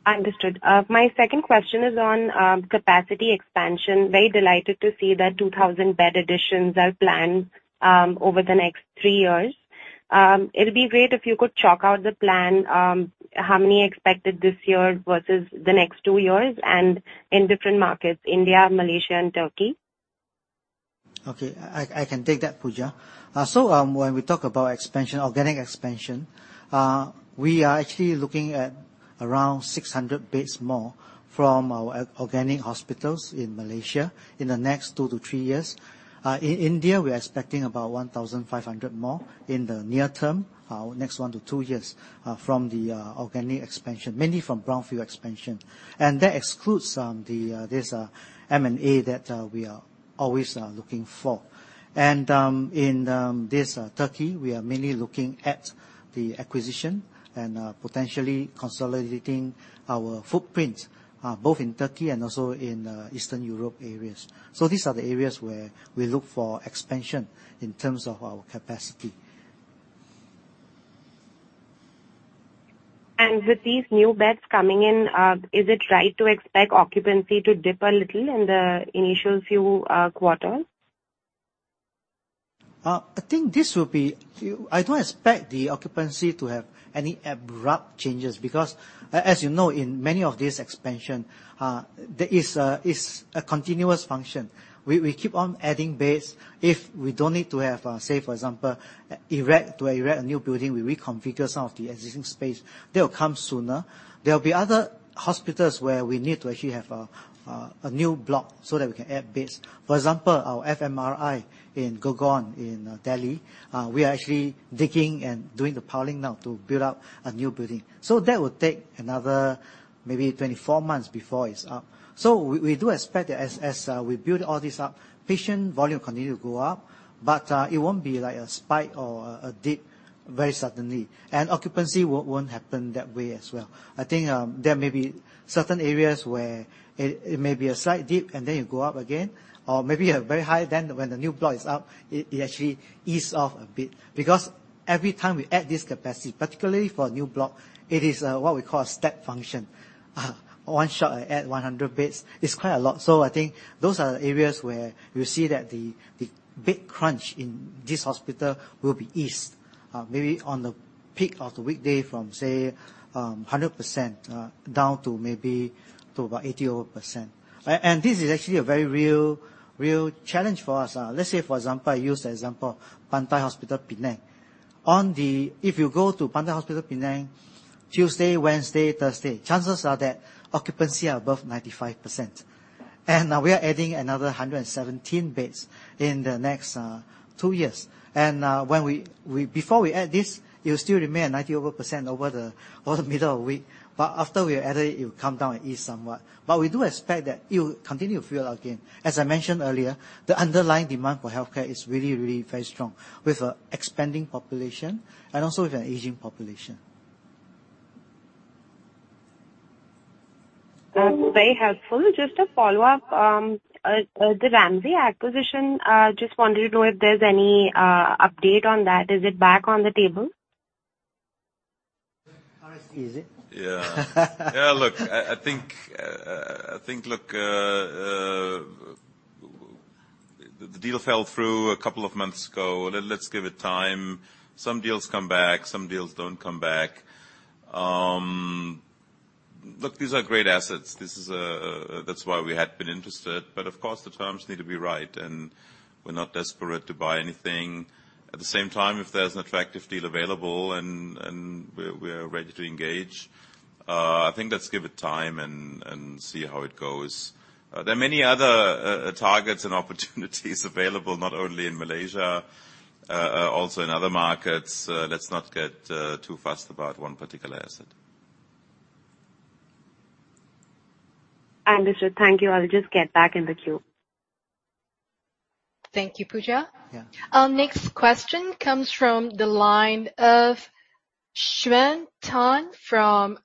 Understood. My second question is on capacity expansion. Very delighted to see that 2,000 bed additions are planned over the next three years. It'll be great if you could chalk out the plan. How many expected this year versus the next two years, and in different markets, India, Malaysia, and Turkey? Okay. I can take that, Pooja. When we talk about expansion, organic expansion, we are actually looking at around 600 beds more from our organic hospitals in Malaysia in the next 2-3 years. In India, we are expecting about 1,500 more in the near term, next 1-2 years, from the organic expansion, mainly from brownfield expansion. That excludes the this M&A that we are always looking for. In this Turkey, we are mainly looking at the acquisition and potentially consolidating our footprint, both in Turkey and also in Eastern Europe areas. These are the areas where we look for expansion in terms of our capacity. With these new beds coming in, is it right to expect occupancy to dip a little in the initial few quarters? I don't expect the occupancy to have any abrupt changes because, as you know, in many of these expansion, there is a continuous function. We keep on adding beds. If we don't need to have, for example, to erect a new building, we reconfigure some of the existing space. They will come sooner. There will be other hospitals where we need to actually have a new block so that we can add beds. For example, our FMRI in Gurgaon, in Delhi, we are actually digging and doing the piling now to build up a new building. That will take another maybe 24 months before it's up. We do expect that as we build all this up, patient volume continue to go up, it won't be like a spike or a dip very suddenly. Occupancy won't happen that way as well. I think there may be certain areas where it may be a slight dip, and then you go up again, or maybe a very high, then when the new block is up, it actually ease off a bit. Every time we add this capacity, particularly for a new block, it is what we call a step function. One shot, I add 100 beds. It's quite a lot. I think those are the areas where you see that the bed crunch in this hospital will be eased, maybe on the peak of the weekday from, say, 100%, down to maybe to about 80% over. This is actually a very real challenge for us. Let's say, for example, I use the example, Pantai Hospital Penang. If you go to Pantai Hospital Penang, Tuesday, Wednesday, Thursday, chances are that occupancy are above 95%. We are adding another 117 beds in the next two years. When we, before we add this, it will still remain 90% over the, over the middle of the week. After we add it will come down and ease somewhat. We do expect that it will continue to fill again. As I mentioned earlier, the underlying demand for healthcare is really very strong, with expanding population and also with an aging population. That's very helpful. Just a follow-up, the Ramsay acquisition, just wanted to know if there's any update on that. Is it back on the table? Is it? Yeah. Yeah, look, I think, I think, look, the deal fell through a couple of months ago. Let's give it time. Some deals come back, some deals don't come back. Look, these are great assets. This is, that's why we had been interested, but of course, the terms need to be right, and we're not desperate to buy anything. At the same time, if there's an attractive deal available and we're ready to engage, I think let's give it time and see how it goes. There are many other targets and opportunities available, not only in Malaysia, also in other markets. Let's not get too fussed about one particular asset. Understood. Thank you. I'll just get back in the queue. Thank you, Pooja. Yeah. Our next question comes from the line of Chien Hui Tan from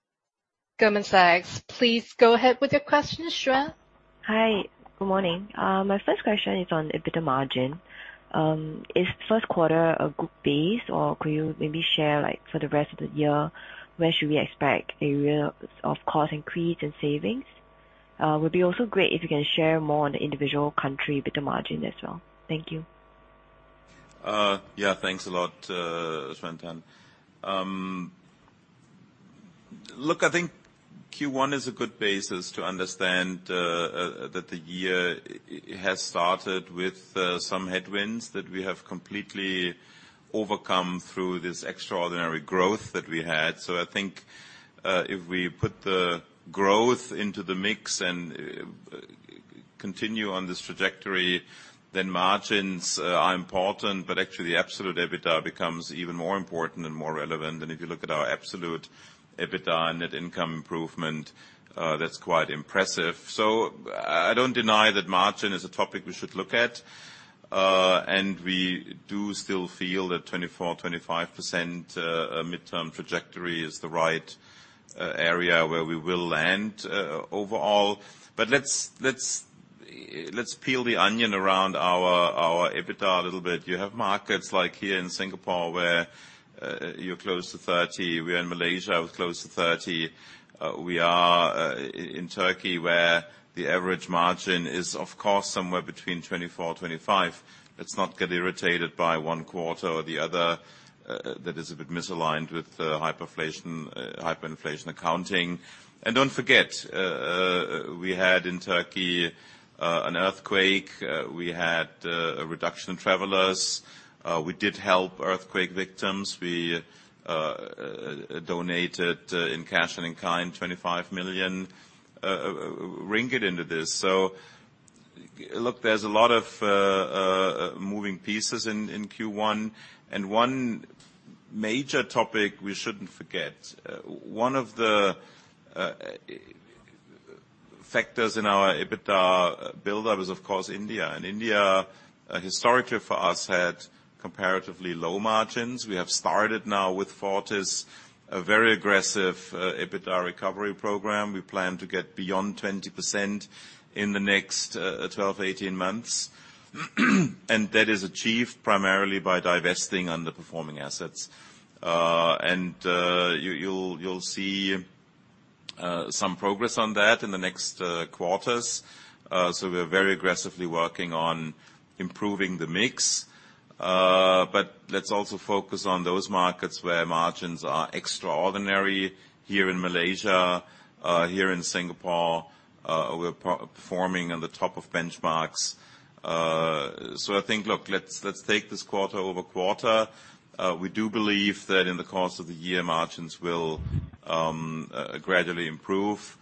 Goldman Sachs. Please go ahead with your question, Chien. Hi, good morning. My first question is on EBITDA margin. Is first quarter a good base, or could you maybe share, like, for the rest of the year, where should we expect a real cost increase and savings? Would be also great if you can share more on the individual country EBITDA margin as well. Thank you. Thanks a lot, Chien Hui Tan. I think Q1 is a good basis to understand that the year has started with some headwinds that we have completely overcome through this extraordinary growth that we had. I think if we put the growth into the mix and continue on this trajectory, then margins are important, but actually, the absolute EBITDA becomes even more important and more relevant. If you look at our absolute EBITDA and net income improvement, that's quite impressive. I don't deny that margin is a topic we should look at, and we do still feel that 24%-25% midterm trajectory is the right area where we will land overall. Let's peel the onion around our EBITDA a little bit. You have markets like here in Singapore, where you're close to 30%. We are in Malaysia, with close to 30%. We are in Turkey, where the average margin is, of course, somewhere between 24%-25%. Let's not get irritated by one quarter or the other, that is a bit misaligned with the hyperinflation accounting. Don't forget, we had in Turkey an earthquake. We had a reduction in travelers. We did help earthquake victims. We donated in cash and in kind, 25 million ringgit into this. Look, there's a lot of moving pieces in Q1, and one major topic we shouldn't forget. One of the factors in our EBITDA buildup is, of course, India. India, historically for us, had comparatively low margins. We have started now with Fortis, a very aggressive EBITDA recovery program. We plan to get beyond 20% in the next 12-18 months. That is achieved primarily by divesting underperforming assets. You'll see some progress on that in the next quarters. We are very aggressively working on improving the mix. Let's also focus on those markets where margins are extraordinary. Here in Malaysia, here in Singapore, we're performing on the top of benchmarks. I think, look, let's take this quarter-over-quarter. We do believe that in the course of the year, margins will gradually improve.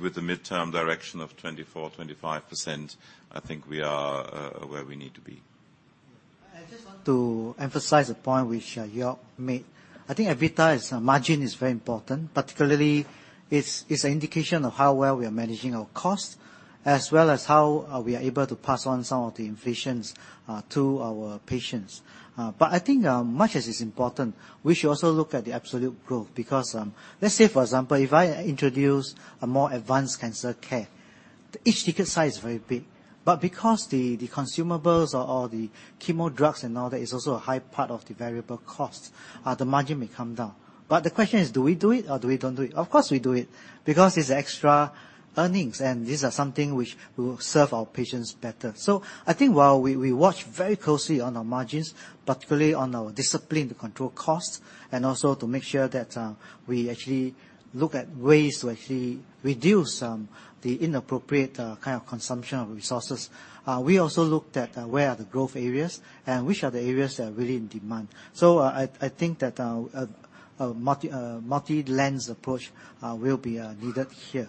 With the midterm direction of 24%-25%, I think we are where we need to be. I just want to emphasize a point which Joerg made. I think EBITDA is, margin is very important. Particularly, it's an indication of how well we are managing our costs, as well as how we are able to pass on some of the inflations to our patients. But I think much as it's important, we should also look at the absolute growth, because let's say, for example, if I introduce a more advanced cancer care, each ticket size is very big. But because the consumables or the chemo drugs and all that is also a high part of the variable cost, the margin may come down. But the question is: Do we do it, or do we don't do it? Of course, we do it! Because it's extra earnings, and these are something which will serve our patients better. I think while we watch very closely on our margins, particularly on our discipline to control costs, and also to make sure that we actually look at ways to actually reduce the inappropriate kind of consumption of resources. We also looked at where are the growth areas and which are the areas that are really in demand. I think that a multi multi-lens approach will be needed here.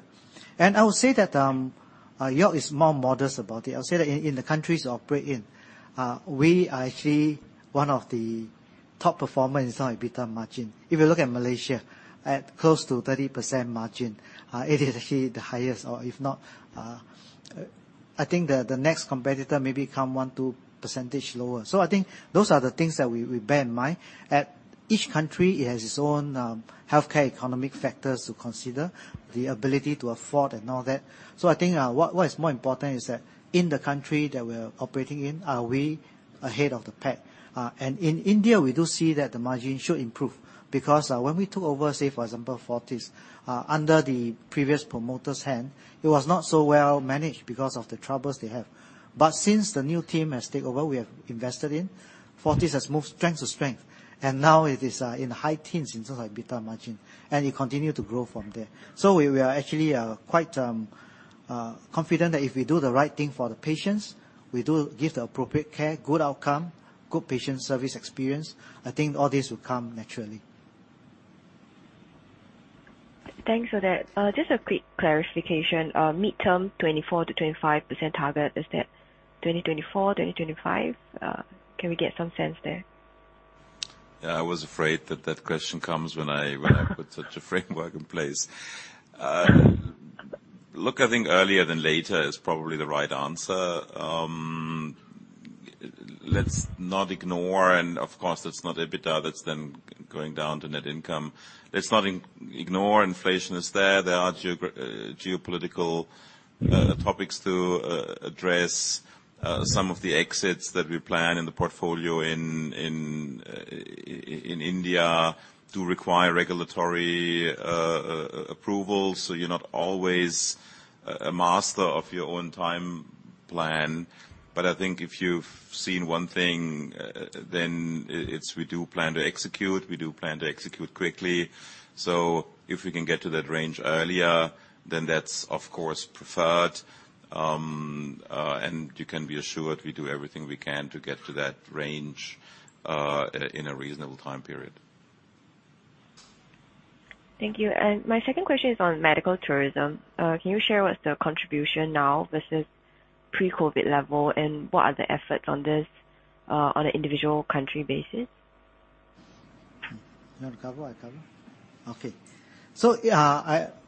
I will say that Joerg is more modest about it. I will say that in the countries I operate in, we are actually one of the top performers in terms of EBITDA margin. If you look at Malaysia, at close to 30% margin, it is actually the highest, or if not, I think the next competitor may become 1%, 2% lower. I think those are the things that we bear in mind. At each country, it has its own healthcare economic factors to consider, the ability to afford and all that. I think what is more important is that in the country that we're operating in, are we ahead of the pack? In India, we do see that the margin should improve, because when we took over, say, for example, Fortis, under the previous promoter's hand, it was not so well managed because of the troubles they have. Since the new team has taken over, Fortis has moved strength to strength, and now it is in high teens in terms of EBITDA margin, and it continued to grow from there. We are actually quite confident that if we do the right thing for the patients, we do give the appropriate care, good outcome, good patient service experience, I think all this will come naturally. Thanks for that. Just a quick clarification. Midterm 24%-25% target, is that 2024, 2025? Can we get some sense there? Yeah, I was afraid that question comes when I put such a framework in place. Look, I think earlier than later is probably the right answer. Let's not ignore, and of course, that's not EBITDA, that's then going down to net income. Let's not ignore. Inflation is there. There are geopolitical topics to address. Some of the exits that we plan in the portfolio in India do require regulatory approvals, so you're not always a master of your own time plan. I think if you've seen one thing, then it's we do plan to execute, we do plan to execute quickly. If we can get to that range earlier, then that's, of course, preferred. You can be assured we do everything we can to get to that range in a reasonable time period. Thank you. My second question is on medical tourism. Can you share what's the contribution now versus pre-COVID level, and what are the efforts on this on an individual country basis? You want to cover or I cover? Okay.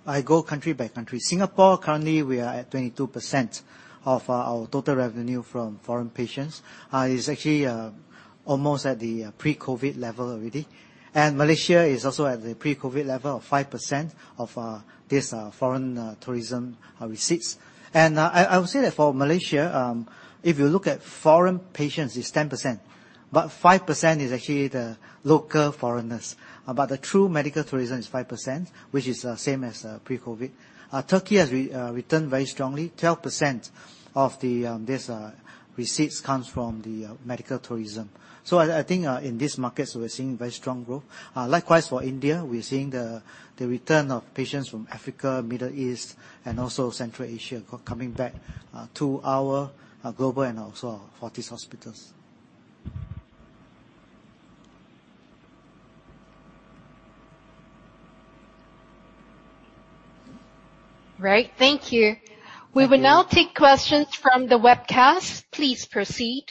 I go country by country. Singapore, currently, we are at 22% of our total revenue from foreign patients. It's actually almost at the pre-COVID level already. Malaysia is also at the pre-COVID level of 5% of this foreign tourism receipts. I would say that for Malaysia, if you look at foreign patients, it's 10%. 5% is actually the local foreigners. The true medical tourism is 5%, which is same as pre-COVID. Turkey has returned very strongly. 12% of these receipts comes from the medical tourism. I think in these markets, we're seeing very strong growth. Likewise for India, we're seeing the return of patients from Africa, Middle East, and also Central Asia, coming back to our global and also our Fortis hospitals. Right. Thank you. Thank you. We will now take questions from the webcast. Please proceed.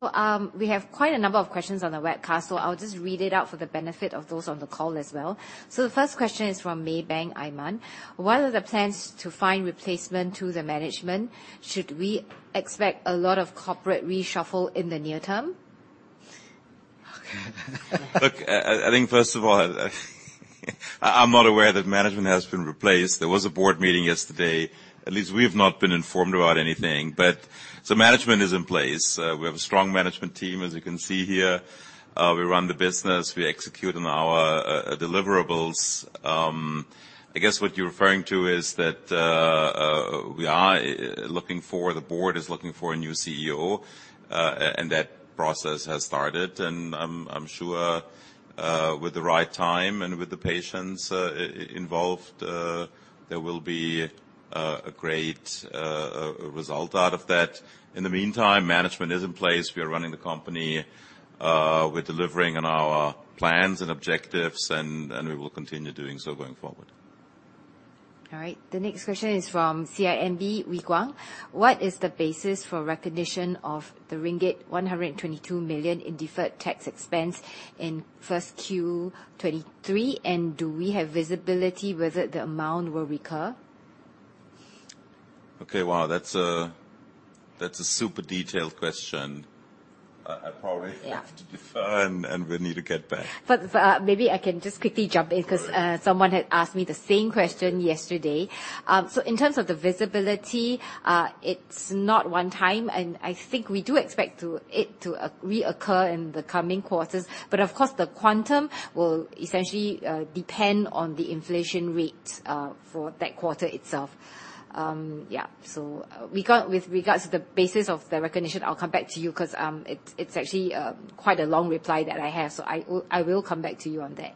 We have quite a number of questions on the webcast, so I'll just read it out for the benefit of those on the call as well. The first question is from Maybank Iman: What are the plans to find replacement to the management? Should we expect a lot of corporate reshuffle in the near term? Look, I think, first of all, I'm not aware that management has been replaced. There was a board meeting yesterday. At least we have not been informed about anything. Management is in place. We have a strong management team, as you can see here. We run the business, we execute on our deliverables. I guess what you're referring to is that the board is looking for a new CEO. That process has started. I'm sure with the right time and with the patients involved, there will be a great result out of that. In the meantime, management is in place. We are running the company. We're delivering on our plans and objectives, and we will continue doing so going forward. All right. The next question is from CGS-CIMB, Wee Kuang: What is the basis for recognition of the ringgit 122 million in deferred tax expense in 1Q 2023? Do we have visibility whether the amount will recur? Okay. Wow, that's a super detailed question. I probably. Yeah have to defer, and we need to get back. Maybe I can just quickly jump in. All right. Because someone had asked me the same question yesterday. So in terms of the visibility, it's not one time, and I think we do expect it to reoccur in the coming quarters. Of course, the quantum will essentially depend on the inflation rate for that quarter itself. Yeah, with regards to the basis of the recognition, I'll come back to you 'cause it's actually quite a long reply that I have, so I will come back to you on that.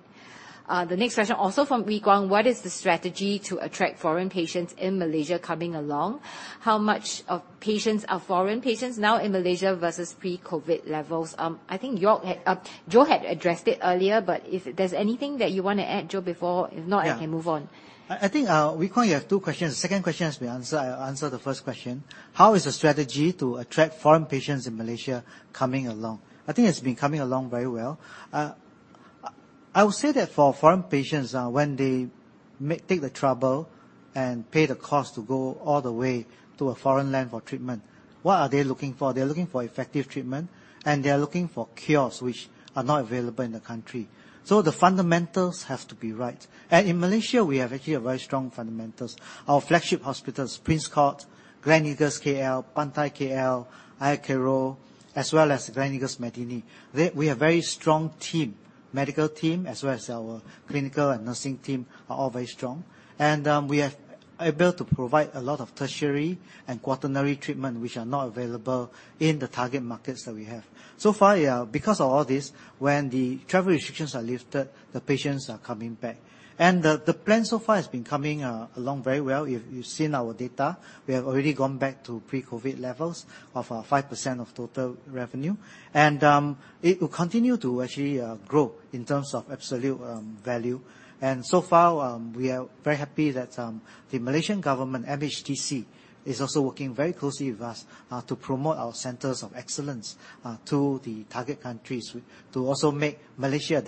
The next question, also from Wee Kuang: What is the strategy to attract foreign patients in Malaysia coming along? How much of patients are foreign patients now in Malaysia versus pre-COVID levels? I think Joerg had, Joe had addressed it earlier, but if there's anything that you wanna add, Joe, before? Yeah. If not, I can move on. I think, Wee Kuang, you have two questions. The second question has been answered. I'll answer the first question. How is the strategy to attract foreign patients in Malaysia coming along? I think it's been coming along very well. I would say that for foreign patients, when they take the trouble and pay the cost to go all the way to a foreign land for treatment, what are they looking for? They're looking for effective treatment, and they're looking for cures which are not available in the country. The fundamentals have to be right. In Malaysia, we have actually a very strong fundamentals. Our flagship hospitals, Prince Court, Gleneagles KL, Pantai KL, Ayer Keroh, as well as Gleneagles Medini. We have very strong team, medical team, as well as our clinical and nursing team, are all very strong. We are able to provide a lot of tertiary and quaternary treatment, which are not available in the target markets that we have. Far, yeah, because of all this, when the travel restrictions are lifted, the patients are coming back. The plan so far has been coming along very well. You've seen our data. We have already gone back to pre-COVID levels of 5% of total revenue. It will continue to actually grow in terms of absolute value. Far, we are very happy that the Malaysian government, MHTC, is also working very closely with us to promote our Centers of Excellence to the target countries, to also make Malaysia a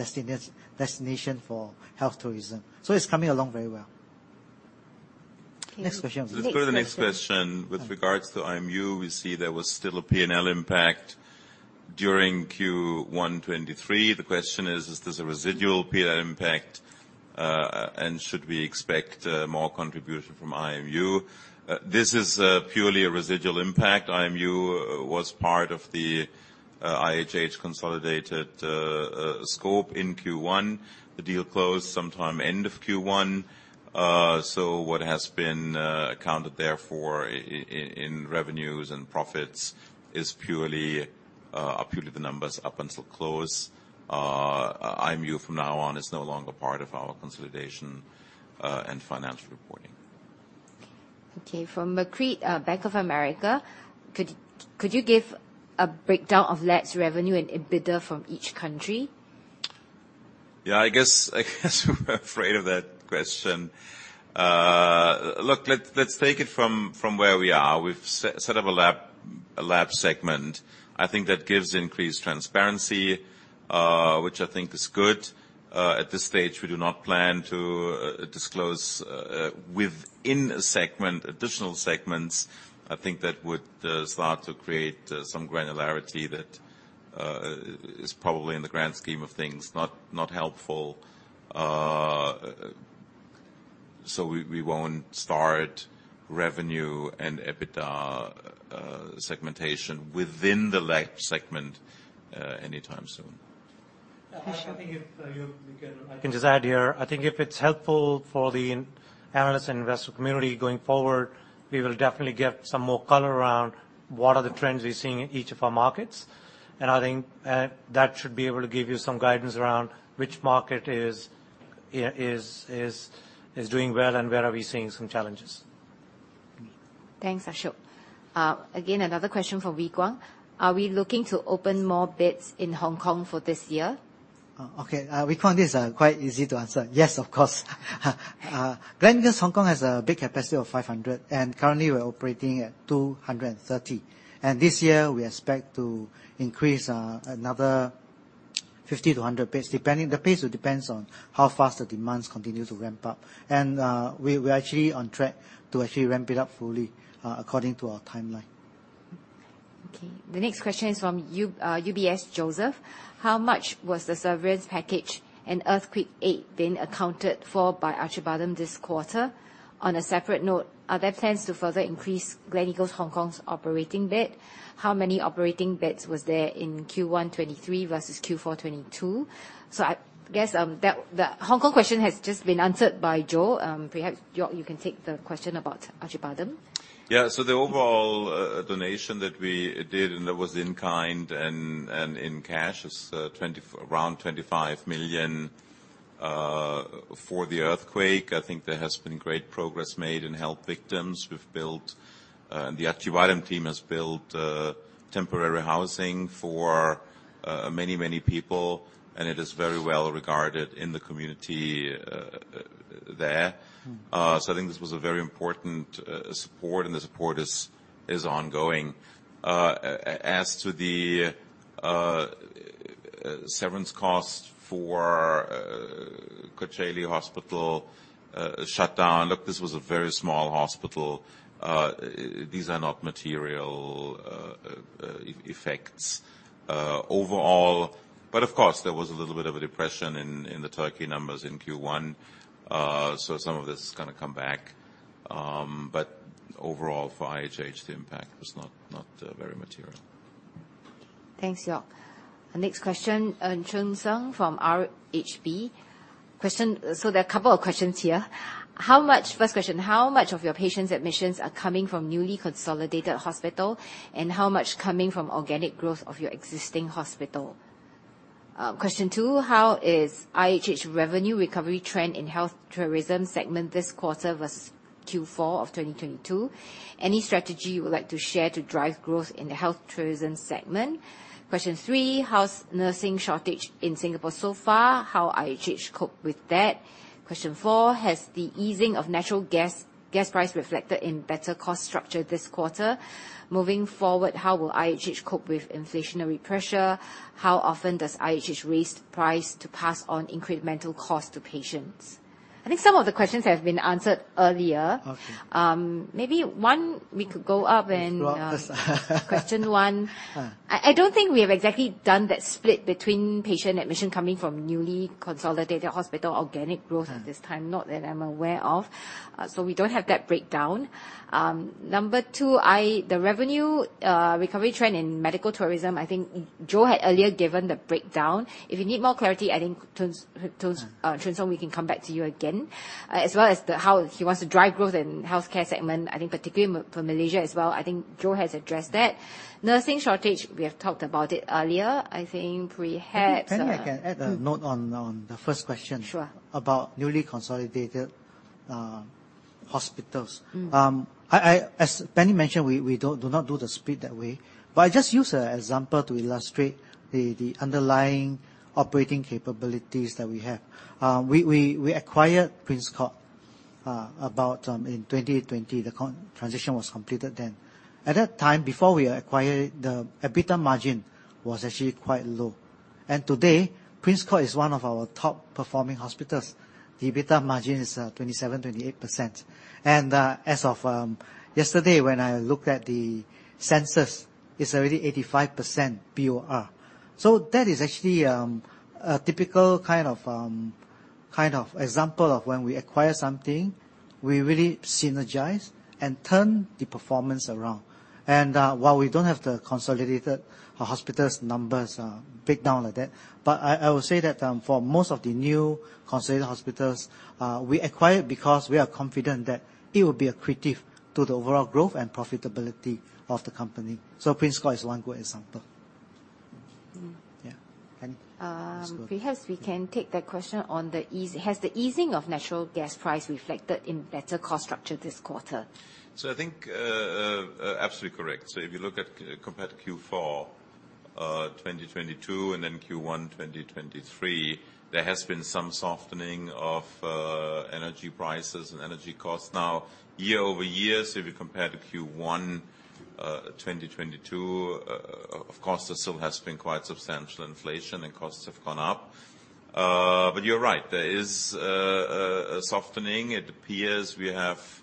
destination for health tourism. It's coming along very well. Okay. Next question. Let's go to the next question. Yeah. With regards to IMU, we see there was still a P&L impact during Q1 2023. The question is: Is this a residual P&L impact, and should we expect more contribution from IMU? This is purely a residual impact. IMU was part of the IHH consolidated scope in Q1. The deal closed sometime end of Q1. What has been counted therefore in revenues and profits is purely, are purely the numbers up until close. IMU from now on is no longer part of our consolidation and financial reporting. Okay, from McCree, Bank of America: Could you give a breakdown of Labs revenue and EBITDA from each country? Yeah, I guess we're afraid of that question. Look, let's take it from where we are. We've set up a Lab segment. I think that gives increased transparency, which I think is good. At this stage, we do not plan to disclose within a segment, additional segments. I think that would start to create some granularity that is probably, in the grand scheme of things, not helpful. We won't start revenue and EBITDA segmentation within the light segment anytime soon. Ashok? I think if I can just add here, I think if it's helpful for the analyst and investor community going forward, we will definitely give some more color around what are the trends we're seeing in each of our markets. I think that should be able to give you some guidance around which market is, yeah, is doing well and where are we seeing some challenges. Thanks, Ashok. Again, another question for Wee Kuang. Are we looking to open more beds in Hong Kong for this year? Okay, Wee Kuang, this is quite easy to answer. Yes, of course. Gleneagles Hong Kong has a big capacity of 500. Currently we're operating at 230. This year, we expect to increase another 50-100 beds, depending. The beds will depends on how fast the demands continue to ramp up. We're actually on track to actually ramp it up fully according to our timeline. The next question is from UBS, Joseph: How much was the severance package and earthquake aid being accounted for by Acıbadem this quarter? On a separate note, are there plans to further increase Gleneagles Hong Kong's operating bed? How many operating beds was there in Q1 2023 versus Q4 2022? I guess that, the Hong Kong question has just been answered by Joe. Perhaps, Joerg, you can take the question about Acıbadem. The overall donation that we did, and that was in kind and in cash, is 25 million for the earthquake. I think there has been great progress made in help victims. The Acıbadem team has built temporary housing for many, many people, and it is very well-regarded in the community there. Mm-hmm. I think this was a very important support, and the support is ongoing. As to the severance cost for Kocaeli Hospital shutdown, look, this was a very small hospital. These are not material effects overall. Of course, there was a little bit of a depression in the Turkey numbers in Q1. Some of this is gonna come back. Overall, for IHH, the impact was not very material. Thanks, Joerg. Our next question, Cheng Tsung from RHB. There are a couple of questions here. First question: How much of your patients' admissions are coming from newly consolidated hospital, and how much coming from organic growth of your existing hospital? Question two: How is IHH revenue recovery trend in health tourism segment this quarter versus Q4 of 2022? Any strategy you would like to share to drive growth in the health tourism segment? Question three: How's nursing shortage in Singapore so far? How IHH cope with that? Question four: Has the easing of natural gas price reflected in better cost structure this quarter? Moving forward, how will IHH cope with inflationary pressure? How often does IHH raise the price to pass on incremental cost to patients? I think some of the questions have been answered earlier. Okay. Maybe one, we could go up and. Question one. Uh. I don't think we have exactly done that split between patient admission coming from newly consolidated hospital, organic growth at this time. Not that I'm aware of. We don't have that breakdown. number two, The revenue recovery trend in medical tourism, I think Joe had earlier given the breakdown. If you need more clarity, I think, Cheng Tsung, we can come back to you again. as well as the, how he wants to drive growth in healthcare segment, I think particularly for Malaysia as well, I think Joe has addressed that. Nursing shortage, we have talked about it earlier. I think, Penny, I can add a note. Mm On the first question. Sure About newly consolidated hospitals. Mm. As Penny mentioned, we do not do the split that way, but I just use a example to illustrate the underlying operating capabilities that we have. We acquired Prince Court about in 2020. The transition was completed then. At that time, before we acquired, the EBITDA margin was actually quite low. Today, Prince Court is one of our top-performing hospitals. The EBITDA margin is 27%-28%. As of yesterday, when I looked at the census, it's already 85% BOR. That is actually a typical kind of example of when we acquire something, we really synergize and turn the performance around. While we don't have the consolidated hospitals numbers, break down like that, but I will say that, for most of the new consolidated hospitals, we acquire because we are confident that it will be accretive to the overall growth and profitability of the company. Prince Court is one good example. Mm. Yeah. Penny, let's. Perhaps we can take that question. Has the easing of natural gas price reflected in better cost structure this quarter? I think, absolutely correct. If you look at, compared to Q4 2022, and then Q1 2023, there has been some softening of energy prices and energy costs. Year-over-year, if you compare to Q1 2022, of course, there still has been quite substantial inflation and costs have gone up. But you're right, there is a softening. It appears we have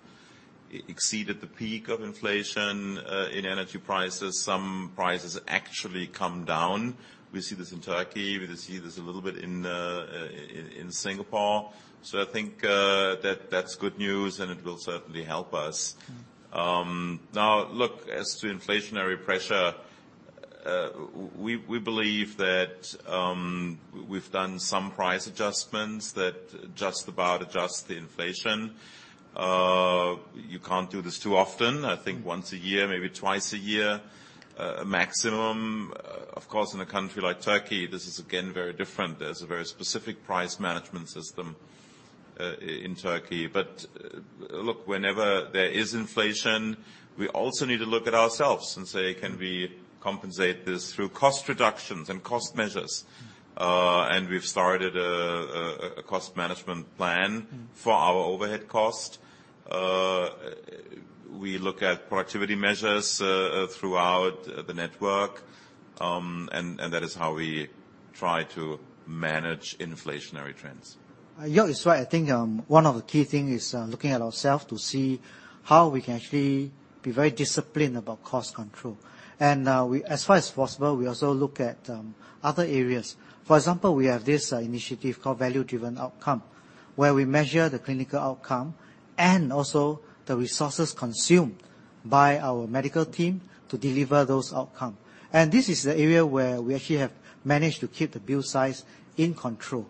exceeded the peak of inflation in energy prices. Some prices actually come down. We see this in Turkey. We see this a little bit in Singapore. I think that's good news, and it will certainly help us. Now, look, as to inflationary pressure, we believe that we've done some price adjustments that just about adjust the inflation. You can't do this too often. I think once a year, maybe twice a year, maximum. Of course, in a country like Turkey, this is again, very different. There's a very specific price management system, in Turkey. Look, whenever there is inflation, we also need to look at ourselves and say: Can we compensate this through cost reductions and cost measures? And we've started a cost management plan for our overhead cost. We look at productivity measures, throughout the network, and that is how we try to manage inflationary trends. Yeah, it's right. I think, one of the key thing is, looking at ourselves to see how we can actually be very disciplined about cost control. We, as far as possible, we also look at, other areas. For example, we have this initiative called Value Driven Outcomes, where we measure the clinical outcome and also the resources consumed by our medical team to deliver those outcome. This is the area where we actually have managed to keep the bill size in control,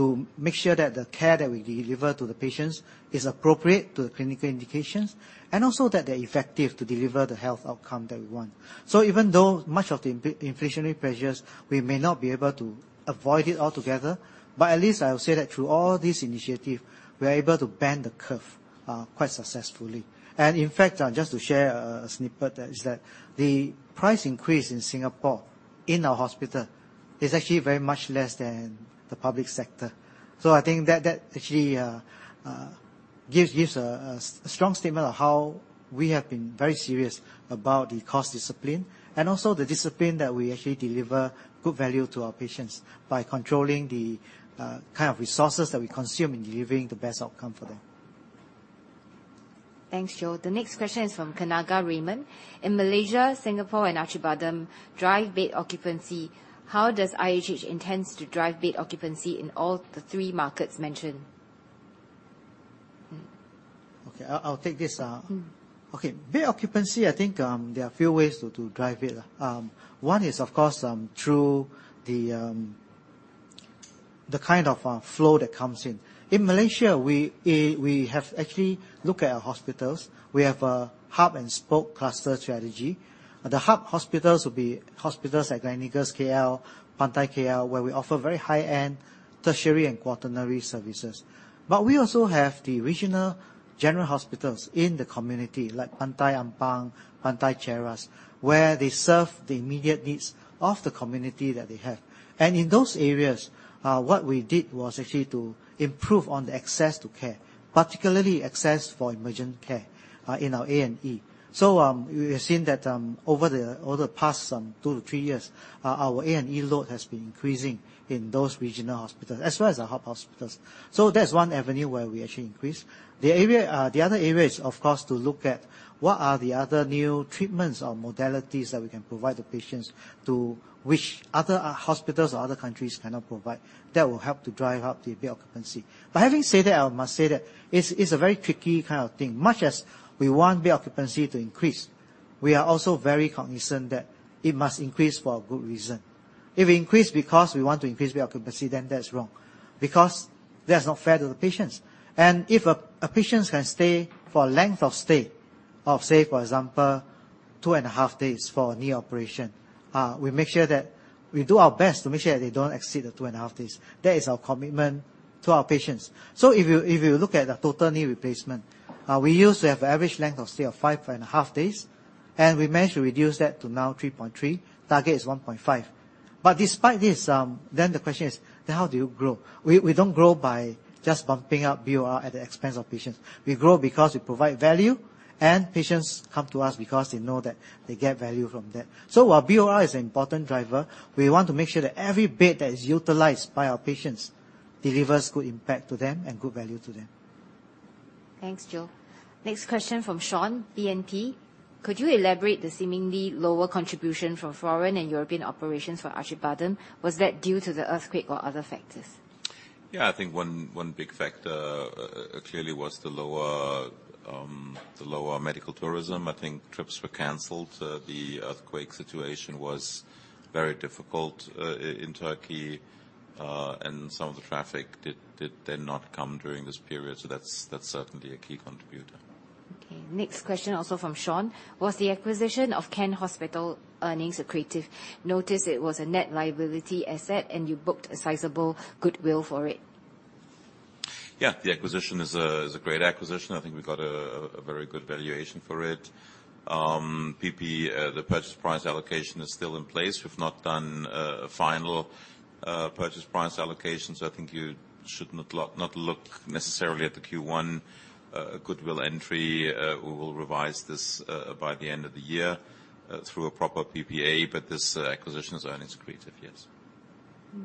to make sure that the care that we deliver to the patients is appropriate to the clinical indications, and also that they're effective to deliver the health outcome that we want. Even though much of the inflationary pressures, we may not be able to avoid it altogether, but at least I will say that through all this initiative, we are able to bend the curve, quite successfully. In fact, just to share a snippet, is that the price increase in Singapore, in our hospital, is actually very much less than the public sector. I think that actually, gives you a strong statement of how we have been very serious about the cost discipline, and also the discipline that we actually deliver good value to our patients by controlling the kind of resources that we consume in delivering the best outcome for them. Thanks, Joe. The next question is from Kenanga, Raymond: In Malaysia, Singapore and Acıbadem, drive bed occupancy, how does IHH intends to drive bed occupancy in all the three markets mentioned? Okay, I'll take this. Mm. Okay. Bed occupancy, I think, there are a few ways to drive it. One is, of course, through the kind of flow that comes in. In Malaysia, we have actually looked at our hospitals. We have a hub-and-spoke cluster strategy. The hub hospitals will be hospitals like Gleneagles KL, Pantai KL, where we offer very high-end tertiary and quaternary services. We also have the regional general hospitals in the community, like Pantai Ampang, Pantai Cheras, where they serve the immediate needs of the community that they have. In those areas, what we did was actually to improve on the access to care, particularly access for emergent care, in our A&E. We have seen that, over the, over the past, 2-3 years, our A&E load has been increasing in those regional hospitals, as well as the hub hospitals. That's one avenue where we actually increase. The area... the other area is, of course, to look at what are the other new treatments or modalities that we can provide the patients, to which other, hospitals or other countries cannot provide, that will help to drive up the bed occupancy. Having said that, I must say that it's a very tricky kind of thing. Much as we want bed occupancy to increase, we are also very cognizant that it must increase for a good reason. If we increase because we want to increase bed occupancy, then that's wrong, because that's not fair to the patients. If a patient can stay for a length of stay of, say, for example, 2.5 days for a knee operation, we make sure that we do our best to make sure that they don't exceed the 2.5 days. That is our commitment to our patients. If you look at the total knee replacement, we used to have average length of stay of 5.5 days, and we managed to reduce that to now 3.3. Target is 1.5. Despite this, the question is: How do you grow? We don't grow by just bumping up BOR at the expense of patients. We grow because we provide value, and patients come to us because they know that they get value from that. While BOR is an important driver, we want to make sure that every bed that is utilized by our patients delivers good impact to them and good value to them. Thanks, Joe. Next question from Sean, BNP: Could you elaborate the seemingly lower contribution from foreign and European operations for Acıbadem? Was that due to the earthquake or other factors? I think one big factor clearly was the lower medical tourism. I think trips were canceled. The earthquake situation was very difficult in Turkey, and some of the traffic did then not come during this period, so that's certainly a key contributor. Okay, next question, also from Sean: Was the acquisition of Kent Hospital earnings accretive? Notice it was a net liability asset, and you booked a sizable goodwill for it. The acquisition is a great acquisition. I think we got a very good valuation for it. PPA, the purchase price allocation is still in place. We've not done a final purchase price allocation, so I think you should not look necessarily at the Q1 goodwill entry. We will revise this by the end of the year through a proper PPA, but this acquisition is earnings accretive, yes.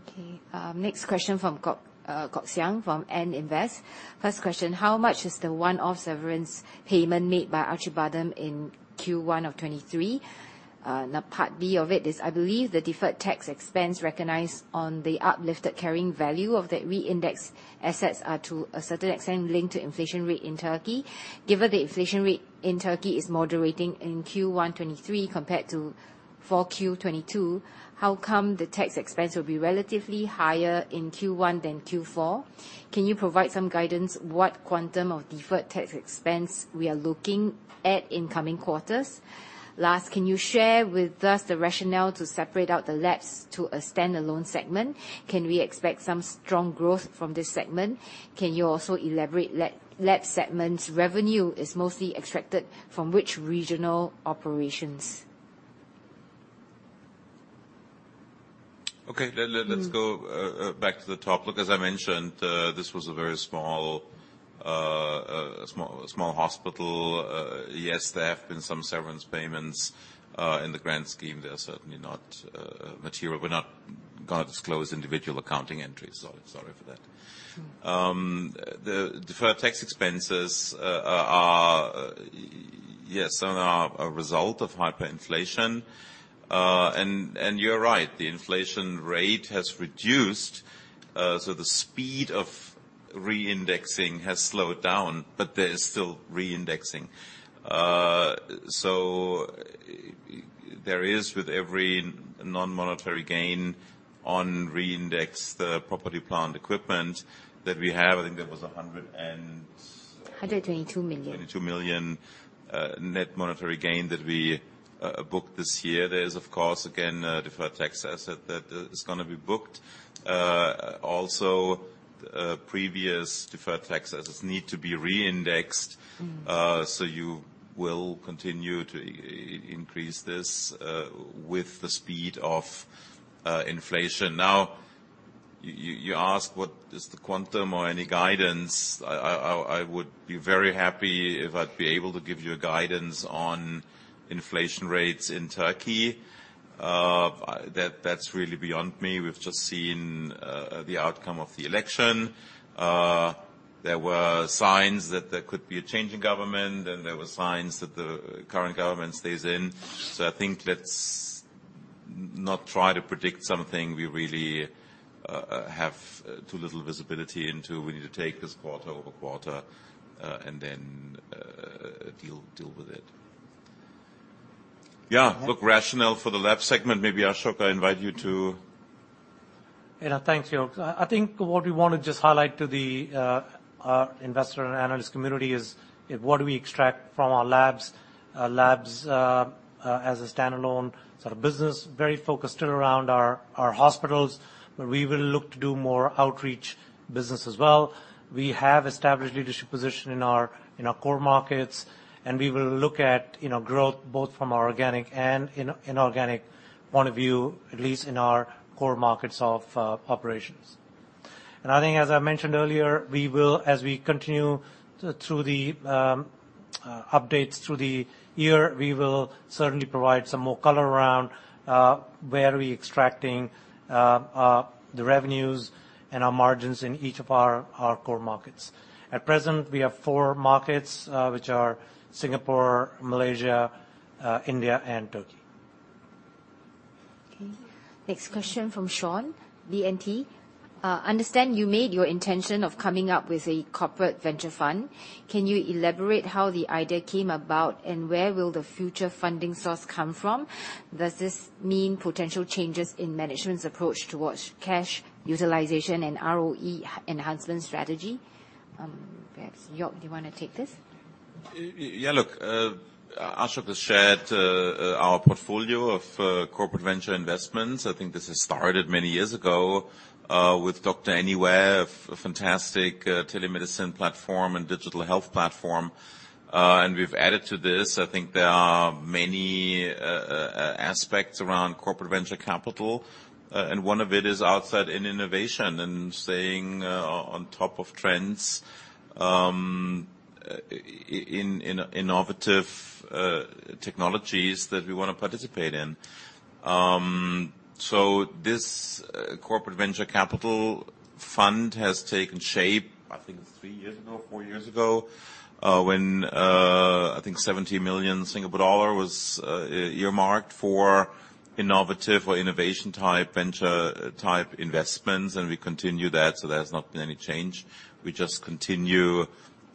Okay, next question from Kok Siang from M Invest. First question, how much is the one-off severance payment made by Acıbadem in Q1 of 2023? Now part B of it is, I believe the deferred tax expense recognized on the uplifted carrying value of the reindex assets are, to a certain extent, linked to inflation rate in Turkey. Given the inflation rate in Turkey is moderating in Q1 2023 compared to for 4Q 2022, how come the tax expense will be relatively higher in Q1 than Q4? Can you provide some guidance, what quantum of deferred tax expense we are looking at in coming quarters? Last, can you share with us the rationale to separate out the Labs to a standalone segment? Can we expect some strong growth from this segment? Can you also elaborate Labs segment's revenue is mostly extracted from which regional operations? Okay. Let's go back to the top. Look, as I mentioned, this was a very small hospital. Yes, there have been some severance payments. In the grand scheme, they're certainly not material. We're not gonna disclose individual accounting entries, so sorry for that. Sure. The deferred tax expenses are, yes, are a result of hyperinflation. You're right, the inflation rate has reduced, so the speed of reindexing has slowed down, but there is still reindexing. There is, with every non-monetary gain on reindexed property, plant, equipment that we have, I think there was 122 and. 122 million. 122 million net monetary gain that we booked this year. There is, of course, again, a deferred tax asset that is gonna be booked. Also, previous deferred tax assets need to be reindexed. Mm. So you will continue to increase this with the speed of inflation. Now, you ask what is the quantum or any guidance. I would be very happy if I'd be able to give you a guidance on inflation rates in Turkey. That's really beyond me. We've just seen the outcome of the election. There were signs that there could be a change in government, and there were signs that the current government stays in. I think let's not try to predict something we really have too little visibility into. We need to take this quarter-over-quarter and then deal with it. Yeah. Mm. Rationale for the Labs segment, maybe, Ashok, I invite you to... Yeah, thanks, Joerg. I think what we want to just highlight to the investor and analyst community is, what do we extract from our Labs? Our Labs, as a standalone sort of business, very focused around our hospitals, but we will look to do more outreach business as well. We have established leadership position in our core markets, and we will look at, you know, growth both from our organic and inorganic point of view, at least in our core markets of operations. I think, as I mentioned earlier, we will as we continue through the updates through the year, we will certainly provide some more color around where are we extracting the revenues and our margins in each of our core markets. At present, we have four markets, which are Singapore, Malaysia, India, and Turkey. Next question from Sean, BNP. understand you made your intention of coming up with a corporate venture fund. Can you elaborate how the idea came about, and where will the future funding source come from? Does this mean potential changes in management's approach towards cash utilization and ROE enhancement strategy? Perhaps, Joerg, do you wanna take this? Yeah, look, Ashok has shared our portfolio of corporate venture investments. I think this has started many years ago with Doc Anywhere, a fantastic telemedicine platform and digital health platform. We've added to this. I think there are many aspects around corporate venture capital, and one of it is outside in innovation and staying on top of trends in innovative technologies that we wanna participate in. This corporate venture capital fund has taken shape, I think it's three years ago, four years ago, when I think 70 million Singapore dollar was earmarked for innovative or innovation-type, venture-type investments, and we continue that, there's not been any change. We just continue,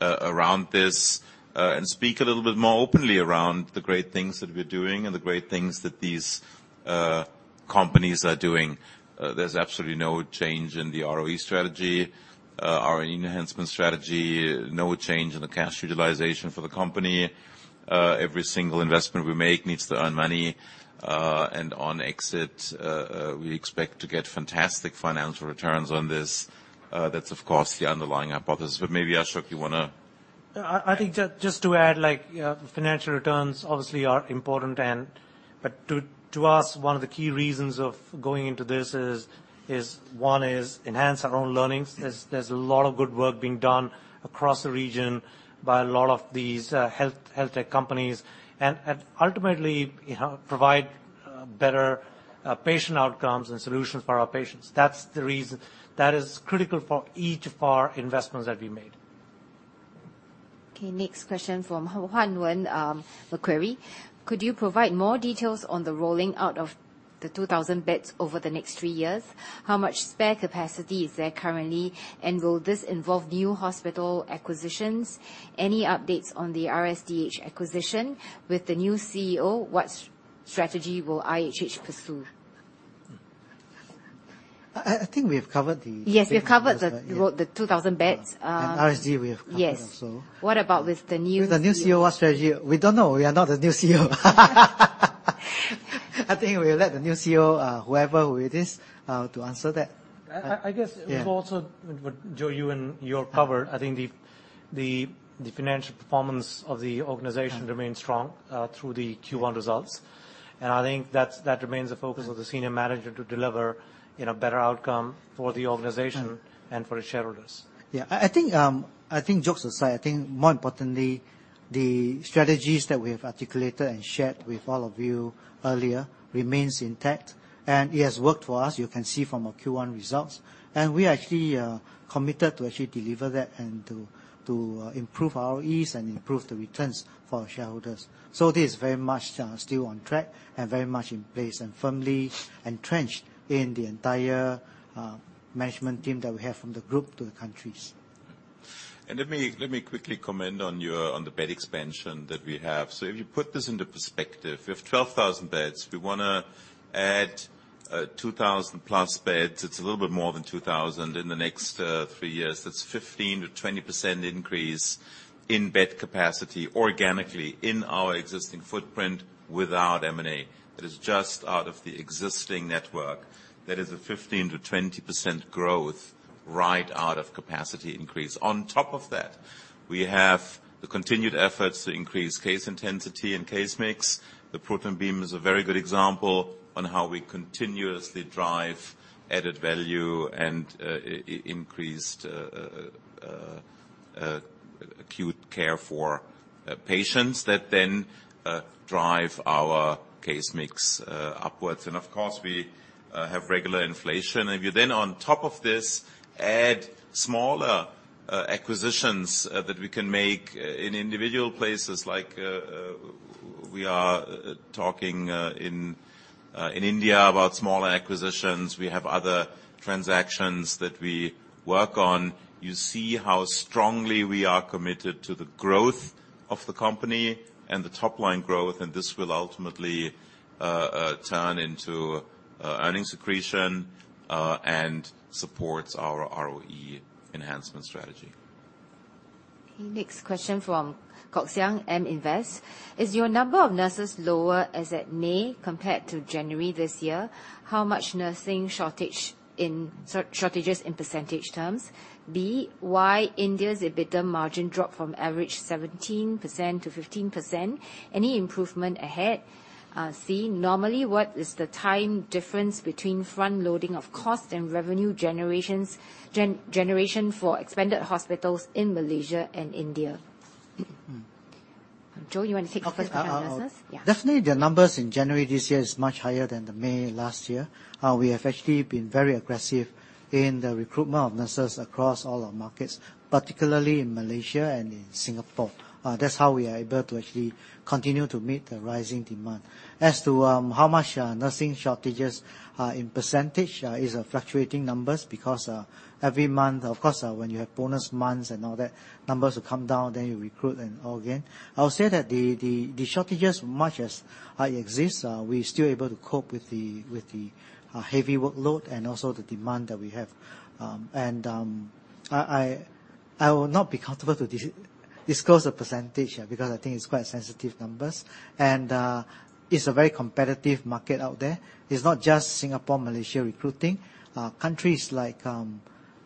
around this, and speak a little bit more openly around the great things that we're doing and the great things that these companies are doing. There's absolutely no change in the ROE strategy, our enhancement strategy. No change in the cash utilization for the company. Every single investment we make needs to earn money, and on exit, we expect to get fantastic financial returns on this. That's of course, the underlying hypothesis, but maybe, Ashok, you wanna- I think just to add, like, financial returns obviously are important and but to us, one of the key reasons of going into this is one, is enhance our own learnings. There's a lot of good work being done across the region by a lot of these health tech companies, and ultimately, you know, provide better patient outcomes and solutions for our patients. That's the reason. That is critical for each of our investments that we made. Okay, next question from Huan Wen, Macquarie. Could you provide more details on the rolling out of the 2,000 beds over the next three years? How much spare capacity is there currently, and will this involve new hospital acquisitions? Any updates on the RSDH acquisition? With the new CEO, what strategy will IHH pursue? I think we have covered. Yes, we have covered the 2,000 beds. RSD, we have covered also. Yes. What about with the new CEO? With the new CEO, what strategy? We don't know. We are not the new CEO. I think we'll let the new CEO, whoever it is, to answer that. I guess- Yeah... we've also, what Joe, you and you all covered, I think the financial performance of the organization remains strong through the Q1 results. I think that's, that remains the focus of the senior management to deliver, you know, better outcome for the organization and for the shareholders. Yeah. I think, I think jokes aside, I think more importantly, the strategies that we have articulated and shared with all of you earlier remains intact. It has worked for us. You can see from our Q1 results. We are actually committed to actually deliver that and to improve our ROEs and improve the returns for our shareholders. This is very much still on track and very much in place and firmly entrenched in the entire management team that we have, from the group to the countries. Let me quickly comment on the bed expansion that we have. If you put this into perspective, we have 12,000 beds. We wanna add 2,000+ beds. It's a little bit more than 2,000 in the next three years. That's 15%-20% increase in bed capacity organically in our existing footprint without M&A. That is just out of the existing network. That is a 15%-20% growth right out of capacity increase. On top of that, we have the continued efforts to increase case intensity and case mix. The proton beam is a very good example on how we continuously drive added value and increased acute care for patients that then drive our case mix upwards. Of course, we have regular inflation. If you, on top of this, add smaller acquisitions, that we can make in individual places, like, we are talking in India about smaller acquisitions. We have other transactions that we work on. You see how strongly we are committed to the growth of the company and the top-line growth, and this will ultimately turn into earnings accretion and supports our ROE enhancement strategy. Okay, next question from Kok Siang, M Invest. Is your number of nurses lower as at May compared to January this year? How much nursing shortages in percentage terms? B, why India's EBITDA margin dropped from average 17% to 15%? Any improvement ahead? C, normally, what is the time difference between front-loading of cost and revenue generation for expanded hospitals in Malaysia and India? Mm. Joe, you wanna take the first one on nurses? Okay. Yeah. Definitely, the numbers in January this year is much higher than the May last year. We have actually been very aggressive in the recruitment of nurses across all our markets, particularly in Malaysia and in Singapore. That's how we are able to actually continue to meet the rising demand. As to how much nursing shortages are in percentage, is a fluctuating numbers because every month, of course, when you have bonus months and all that, numbers will come down, then you recruit and all again. I'll say that the shortages, much as exist, we're still able to cope with the heavy workload and also the demand that we have. I will not be comfortable to disclose the percentage, because I think it's quite sensitive numbers, it's a very competitive market out there. It's not just Singapore, Malaysia recruiting. Countries like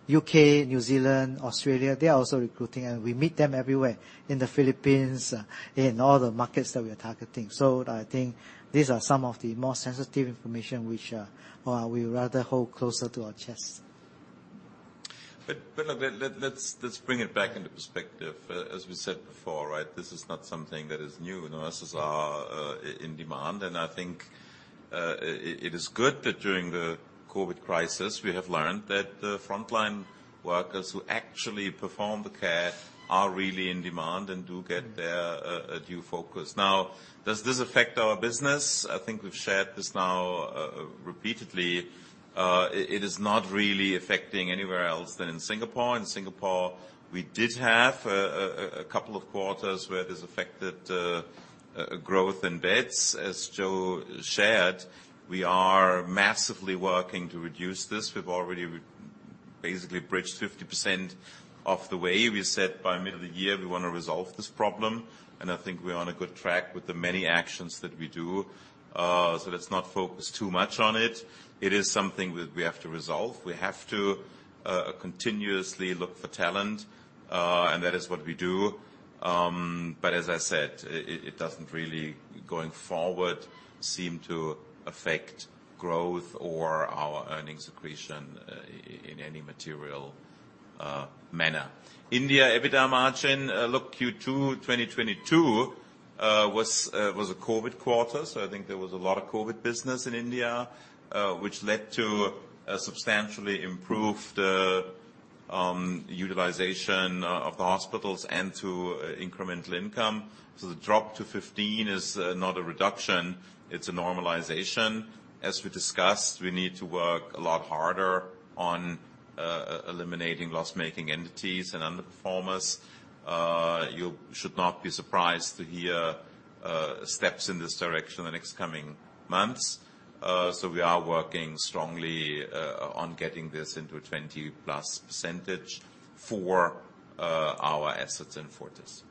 U.K., New Zealand, Australia, they are also recruiting, we meet them everywhere, in the Philippines, in all the markets that we are targeting. I think these are some of the more sensitive information which we would rather hold closer to our chest. Look, let's bring it back into perspective. As we said before, right, this is not something that is new. Nurses are in demand, and I think it is good that during the COVID crisis, we have learned that the frontline workers who actually perform the care are really in demand and do get their due focus. Does this affect our business? I think we've shared this now repeatedly. It is not really affecting anywhere else than in Singapore. In Singapore, we did have a couple of quarters where this affected growth in beds. As Joe shared, we are massively working to reduce this. We've already basically bridged 50% of the way. We said by middle of the year, we wanna resolve this problem, I think we're on a good track with the many actions that we do. Let's not focus too much on it. It is something that we have to resolve. We have to continuously look for talent, that is what we do. As I said, it doesn't really, going forward, seem to affect growth or our earnings accretion in any material manner. India, EBITDA margin, look, Q2 2022 was a COVID quarter, I think there was a lot of COVID business in India, which led to a substantially improved utilization of the hospitals and to incremental income. The drop to 15% is not a reduction, it's a normalization. As we discussed, we need to work a lot harder on eliminating loss-making entities and underperformers. You should not be surprised to hear steps in this direction in the next coming months. We are working strongly on getting this into a 20+% for our assets in Fortis.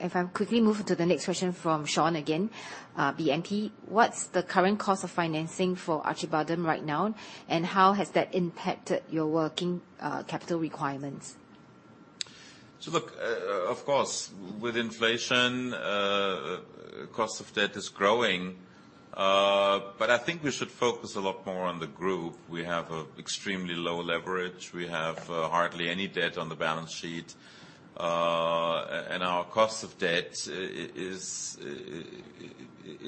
If I quickly move to the next question from Sean again, BNP: What's the current cost of financing for Acıbadem right now, and how has that impacted your working capital requirements? Look, of course, with inflation, cost of debt is growing. I think we should focus a lot more on the group. We have a extremely low leverage. We have hardly any debt on the balance sheet. And our cost of debt is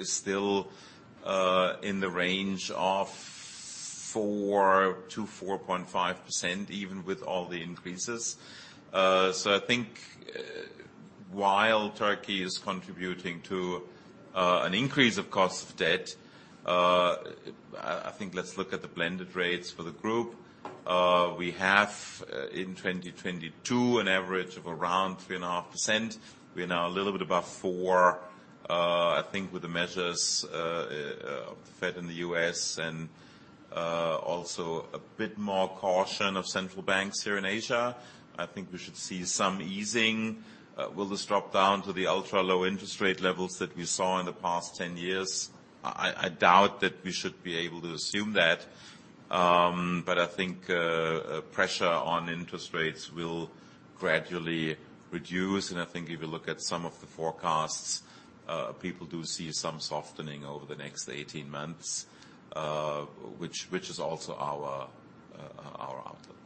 still in the range of 4%-4.5%, even with all the increases. I think while Turkey is contributing to an increase of cost of debt, I think let's look at the blended rates for the group. We have in 2022 an average of around 3.5%. We are now a little bit above 4%. I think with the measures of the Fed in the U.S. and also a bit more caution of central banks here in Asia, I think we should see some easing. Will this drop down to the ultra-low interest rate levels that we saw in the past 10 years? I doubt that we should be able to assume that. I think pressure on interest rates will gradually reduce, and I think if you look at some of the forecasts, people do see some softening over the next 18 months, which is also our outlook.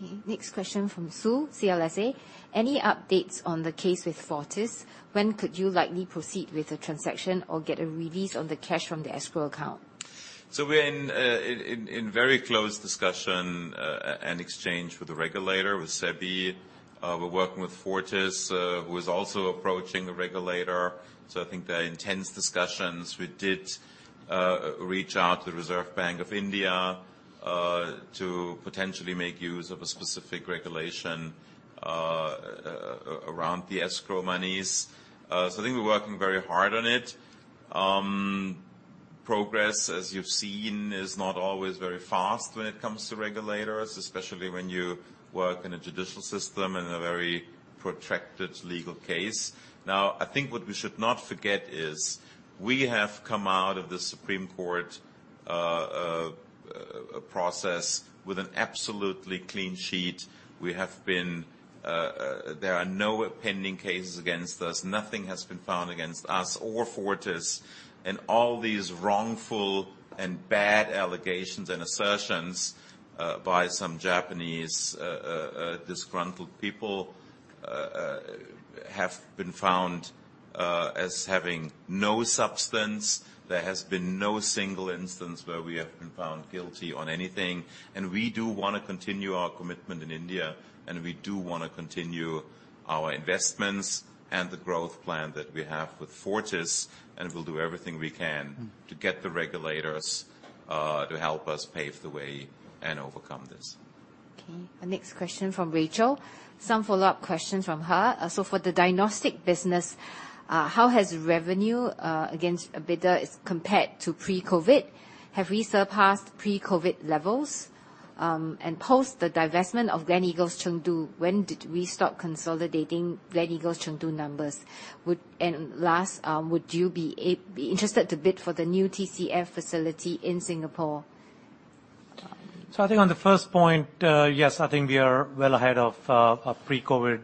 Okay, next question from Sue, CLSA: Any updates on the case with Fortis? When could you likely proceed with the transaction or get a release on the cash from the escrow account? We're in very close discussion and exchange with the regulator, with SEBI. We're working with Fortis, who is also approaching the regulator, so I think there are intense discussions. We did reach out to the Reserve Bank of India to potentially make use of a specific regulation around the escrow moneys. I think we're working very hard on it. Progress, as you've seen, is not always very fast when it comes to regulators, especially when you work in a judicial system in a very protracted legal case. I think what we should not forget is, we have come out of the Supreme Court process with an absolutely clean sheet. We have been... there are no pending cases against us. Nothing has been found against us or Fortis, and all these wrongful and bad allegations and assertions, by some Japanese, disgruntled people, have been found as having no substance. There has been no single instance where we have been found guilty on anything. We do wanna continue our commitment in India, and we do wanna continue our investments and the growth plan that we have with Fortis, and we'll do everything we can to get the regulators to help us pave the way and overcome this. Okay. The next question from Rachel. Some follow-up questions from her. So for the diagnostic business, how has revenue against EBITDA compared to pre-COVID? Have we surpassed pre-COVID levels? Post the divestment of Gleneagles Chengdu, when did we stop consolidating Gleneagles Chengdu numbers? Last, would you be interested to bid for the new TCF facility in Singapore? I think on the first point, yes, I think we are well ahead of pre-COVID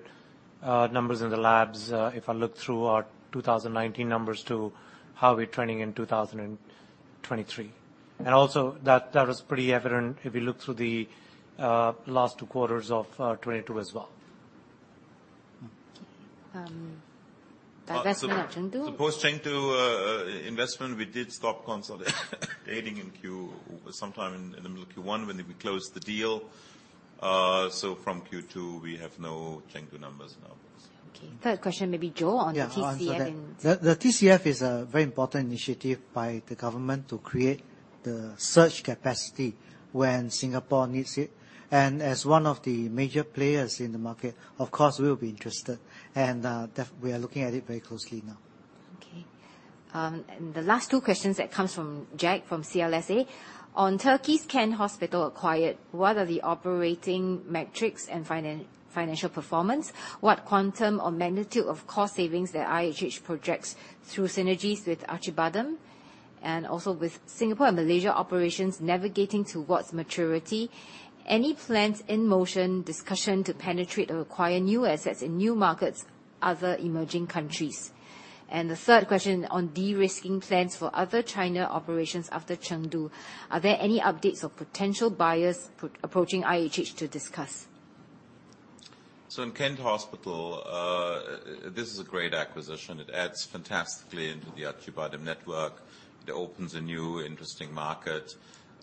numbers in the Labs. If I look through our 2019 numbers to how we're trending in 2023. That was pretty evident if you look through the last two quarters of 2022 as well. Divestment of Chengdu? The post-Chengdu investment, we did stop consolidating sometime in the middle of Q1 when we closed the deal. From Q2, we have no Chengdu numbers in our books. Okay. Third question, maybe Joe, on the TCF. Yeah, I'll answer that. The TCF is a very important initiative by the government to create the surge capacity when Singapore needs it. As one of the major players in the market, of course, we will be interested, and we are looking at it very closely now. Okay. The last two questions that comes from Jack, from CLSA. On Turkey's Kent Hospital acquired, what are the operating metrics and financial performance? What quantum or magnitude of cost savings that IHH projects through synergies with Acıbadem? With Singapore and Malaysia operations navigating towards maturity, any plans in motion, discussion to penetrate or acquire new assets in new markets, other emerging countries? The third question on de-risking plans for other China operations after Chengdu, are there any updates or potential buyers approaching IHH to discuss? In Kent Hospital, this is a great acquisition. It adds fantastically into the Acıbadem network. It opens a new, interesting market.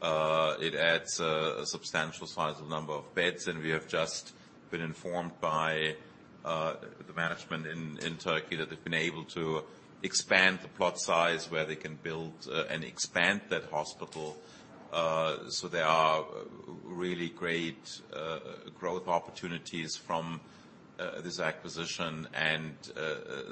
It adds a substantial size of number of beds, and we have just been informed by the management in Turkey that they've been able to expand the plot size, where they can build and expand that hospital. There are really great growth opportunities from this acquisition, and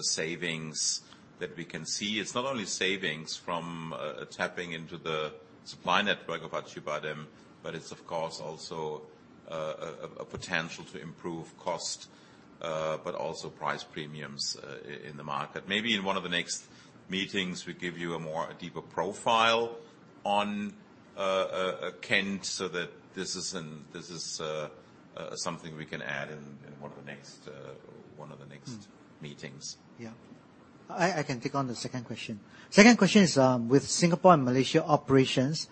savings that we can see. It's not only savings from tapping into the supply network of Acıbadem, but it's, of course, also a potential to improve cost, but also price premiums in the market. Maybe in one of the next meetings, we give you a more, a deeper profile on Kent, so that this is something we can add in one of the next meetings. I can take on the second question. Second question is, with Singapore and Malaysia operations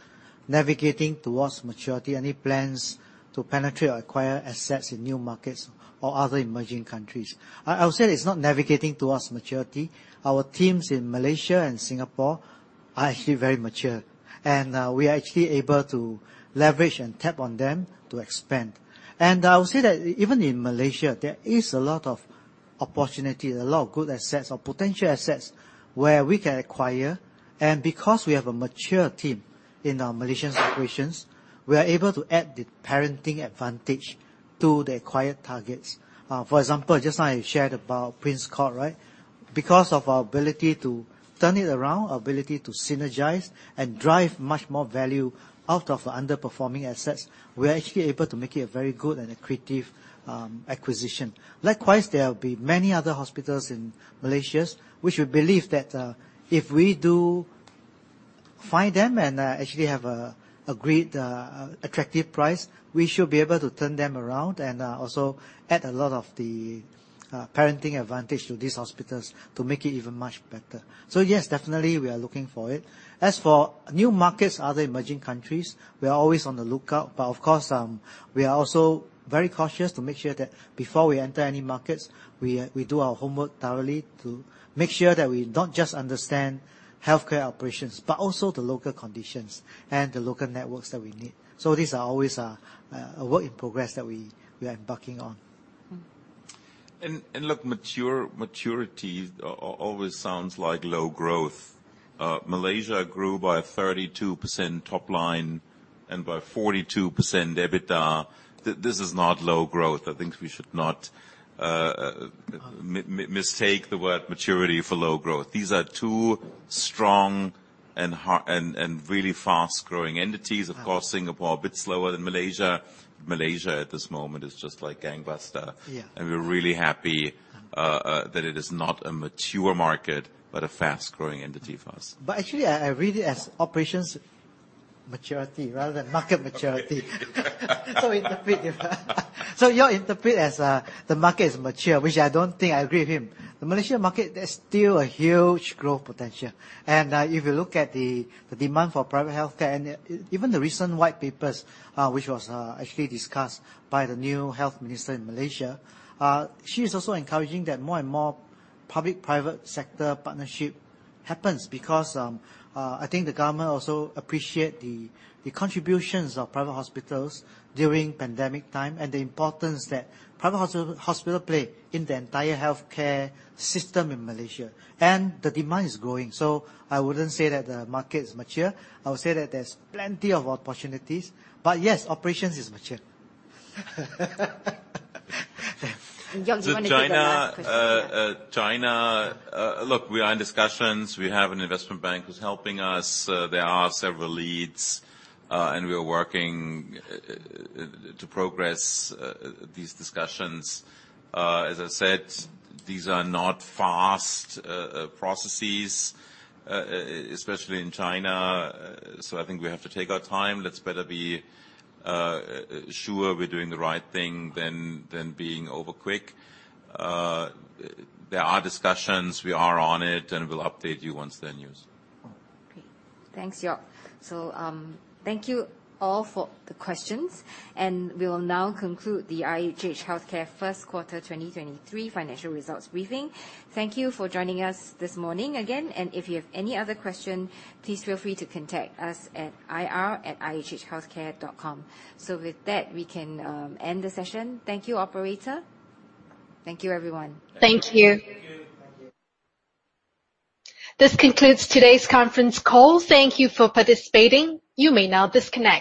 navigating towards maturity, any plans to penetrate or acquire assets in new markets or other emerging countries? I would say it's not navigating towards maturity. Our teams in Malaysia and Singapore are actually very mature, and we are actually able to leverage and tap on them to expand. I would say that even in Malaysia, there is a lot of opportunity, a lot of good assets or potential assets where we can acquire. Because we have a mature team in our Malaysian operations, we are able to add the parenting advantage to the acquired targets. For example, just now I shared about Prince Court, right? Because of our ability to turn it around, our ability to synergize and drive much more value out of the underperforming assets, we are actually able to make it a very good and accretive acquisition. Likewise, there will be many other hospitals in Malaysia, which we believe that, if we do find them and actually have a great attractive price, we should be able to turn them around and also add a lot of the parenting advantage to these hospitals to make it even much better. Yes, definitely, we are looking for it. As for new markets, other emerging countries, we are always on the lookout. Of course, we are also very cautious to make sure that before we enter any markets, we do our homework thoroughly to make sure that we not just understand healthcare operations, but also the local conditions and the local networks that we need. These are always a work in progress that we are embarking on. Mm-hmm. Look, mature, maturity always sounds like low growth. Malaysia grew by 32% top line and by 42% EBITDA. This is not low growth. I think we should not mistake the word maturity for low growth. These are two strong and really fast-growing entities. Of course, Singapore, a bit slower than Malaysia. Malaysia, at this moment, is just like gangbuster. Yeah. We're really happy that it is not a mature market, but a fast-growing entity for us. Actually, I read it as operations maturity rather than market maturity. Interpret different. You interpret as the market is mature, which I don't think I agree with him. The Malaysian market, there's still a huge growth potential. If you look at the demand for private healthcare and even the recent white papers, which was actually discussed by the new health minister in Malaysia, she is also encouraging that more and more public-private sector partnership happens. I think the government also appreciate the contributions of private hospitals during pandemic time and the importance that private hospital play in the entire healthcare system in Malaysia, and the demand is growing. I wouldn't say that the market is mature. I would say that there's plenty of opportunities, but yes, operations is mature. Joerg, do you wanna take the last question? China. Look, we are in discussions. We have an investment bank who's helping us. There are several leads, and we are working to progress these discussions. As I said, these are not fast processes, especially in China. I think we have to take our time. Let's better be sure we're doing the right thing than being over quick. There are discussions. We are on it, and we'll update you once there are news. Okay. Thanks, Joerg. Thank you all for the questions, and we will now conclude the IHH Healthcare First Quarter 2023 Financial Results Briefing. Thank you for joining us this morning, again, and if you have any other question, please feel free to contact us at ir@ihhhealthcare.com. With that, we can end the session. Thank you, operator. Thank you, everyone. Thank you. Thank you. Thank you. This concludes today's conference call. Thank Thank you for participating. You may now disconnect.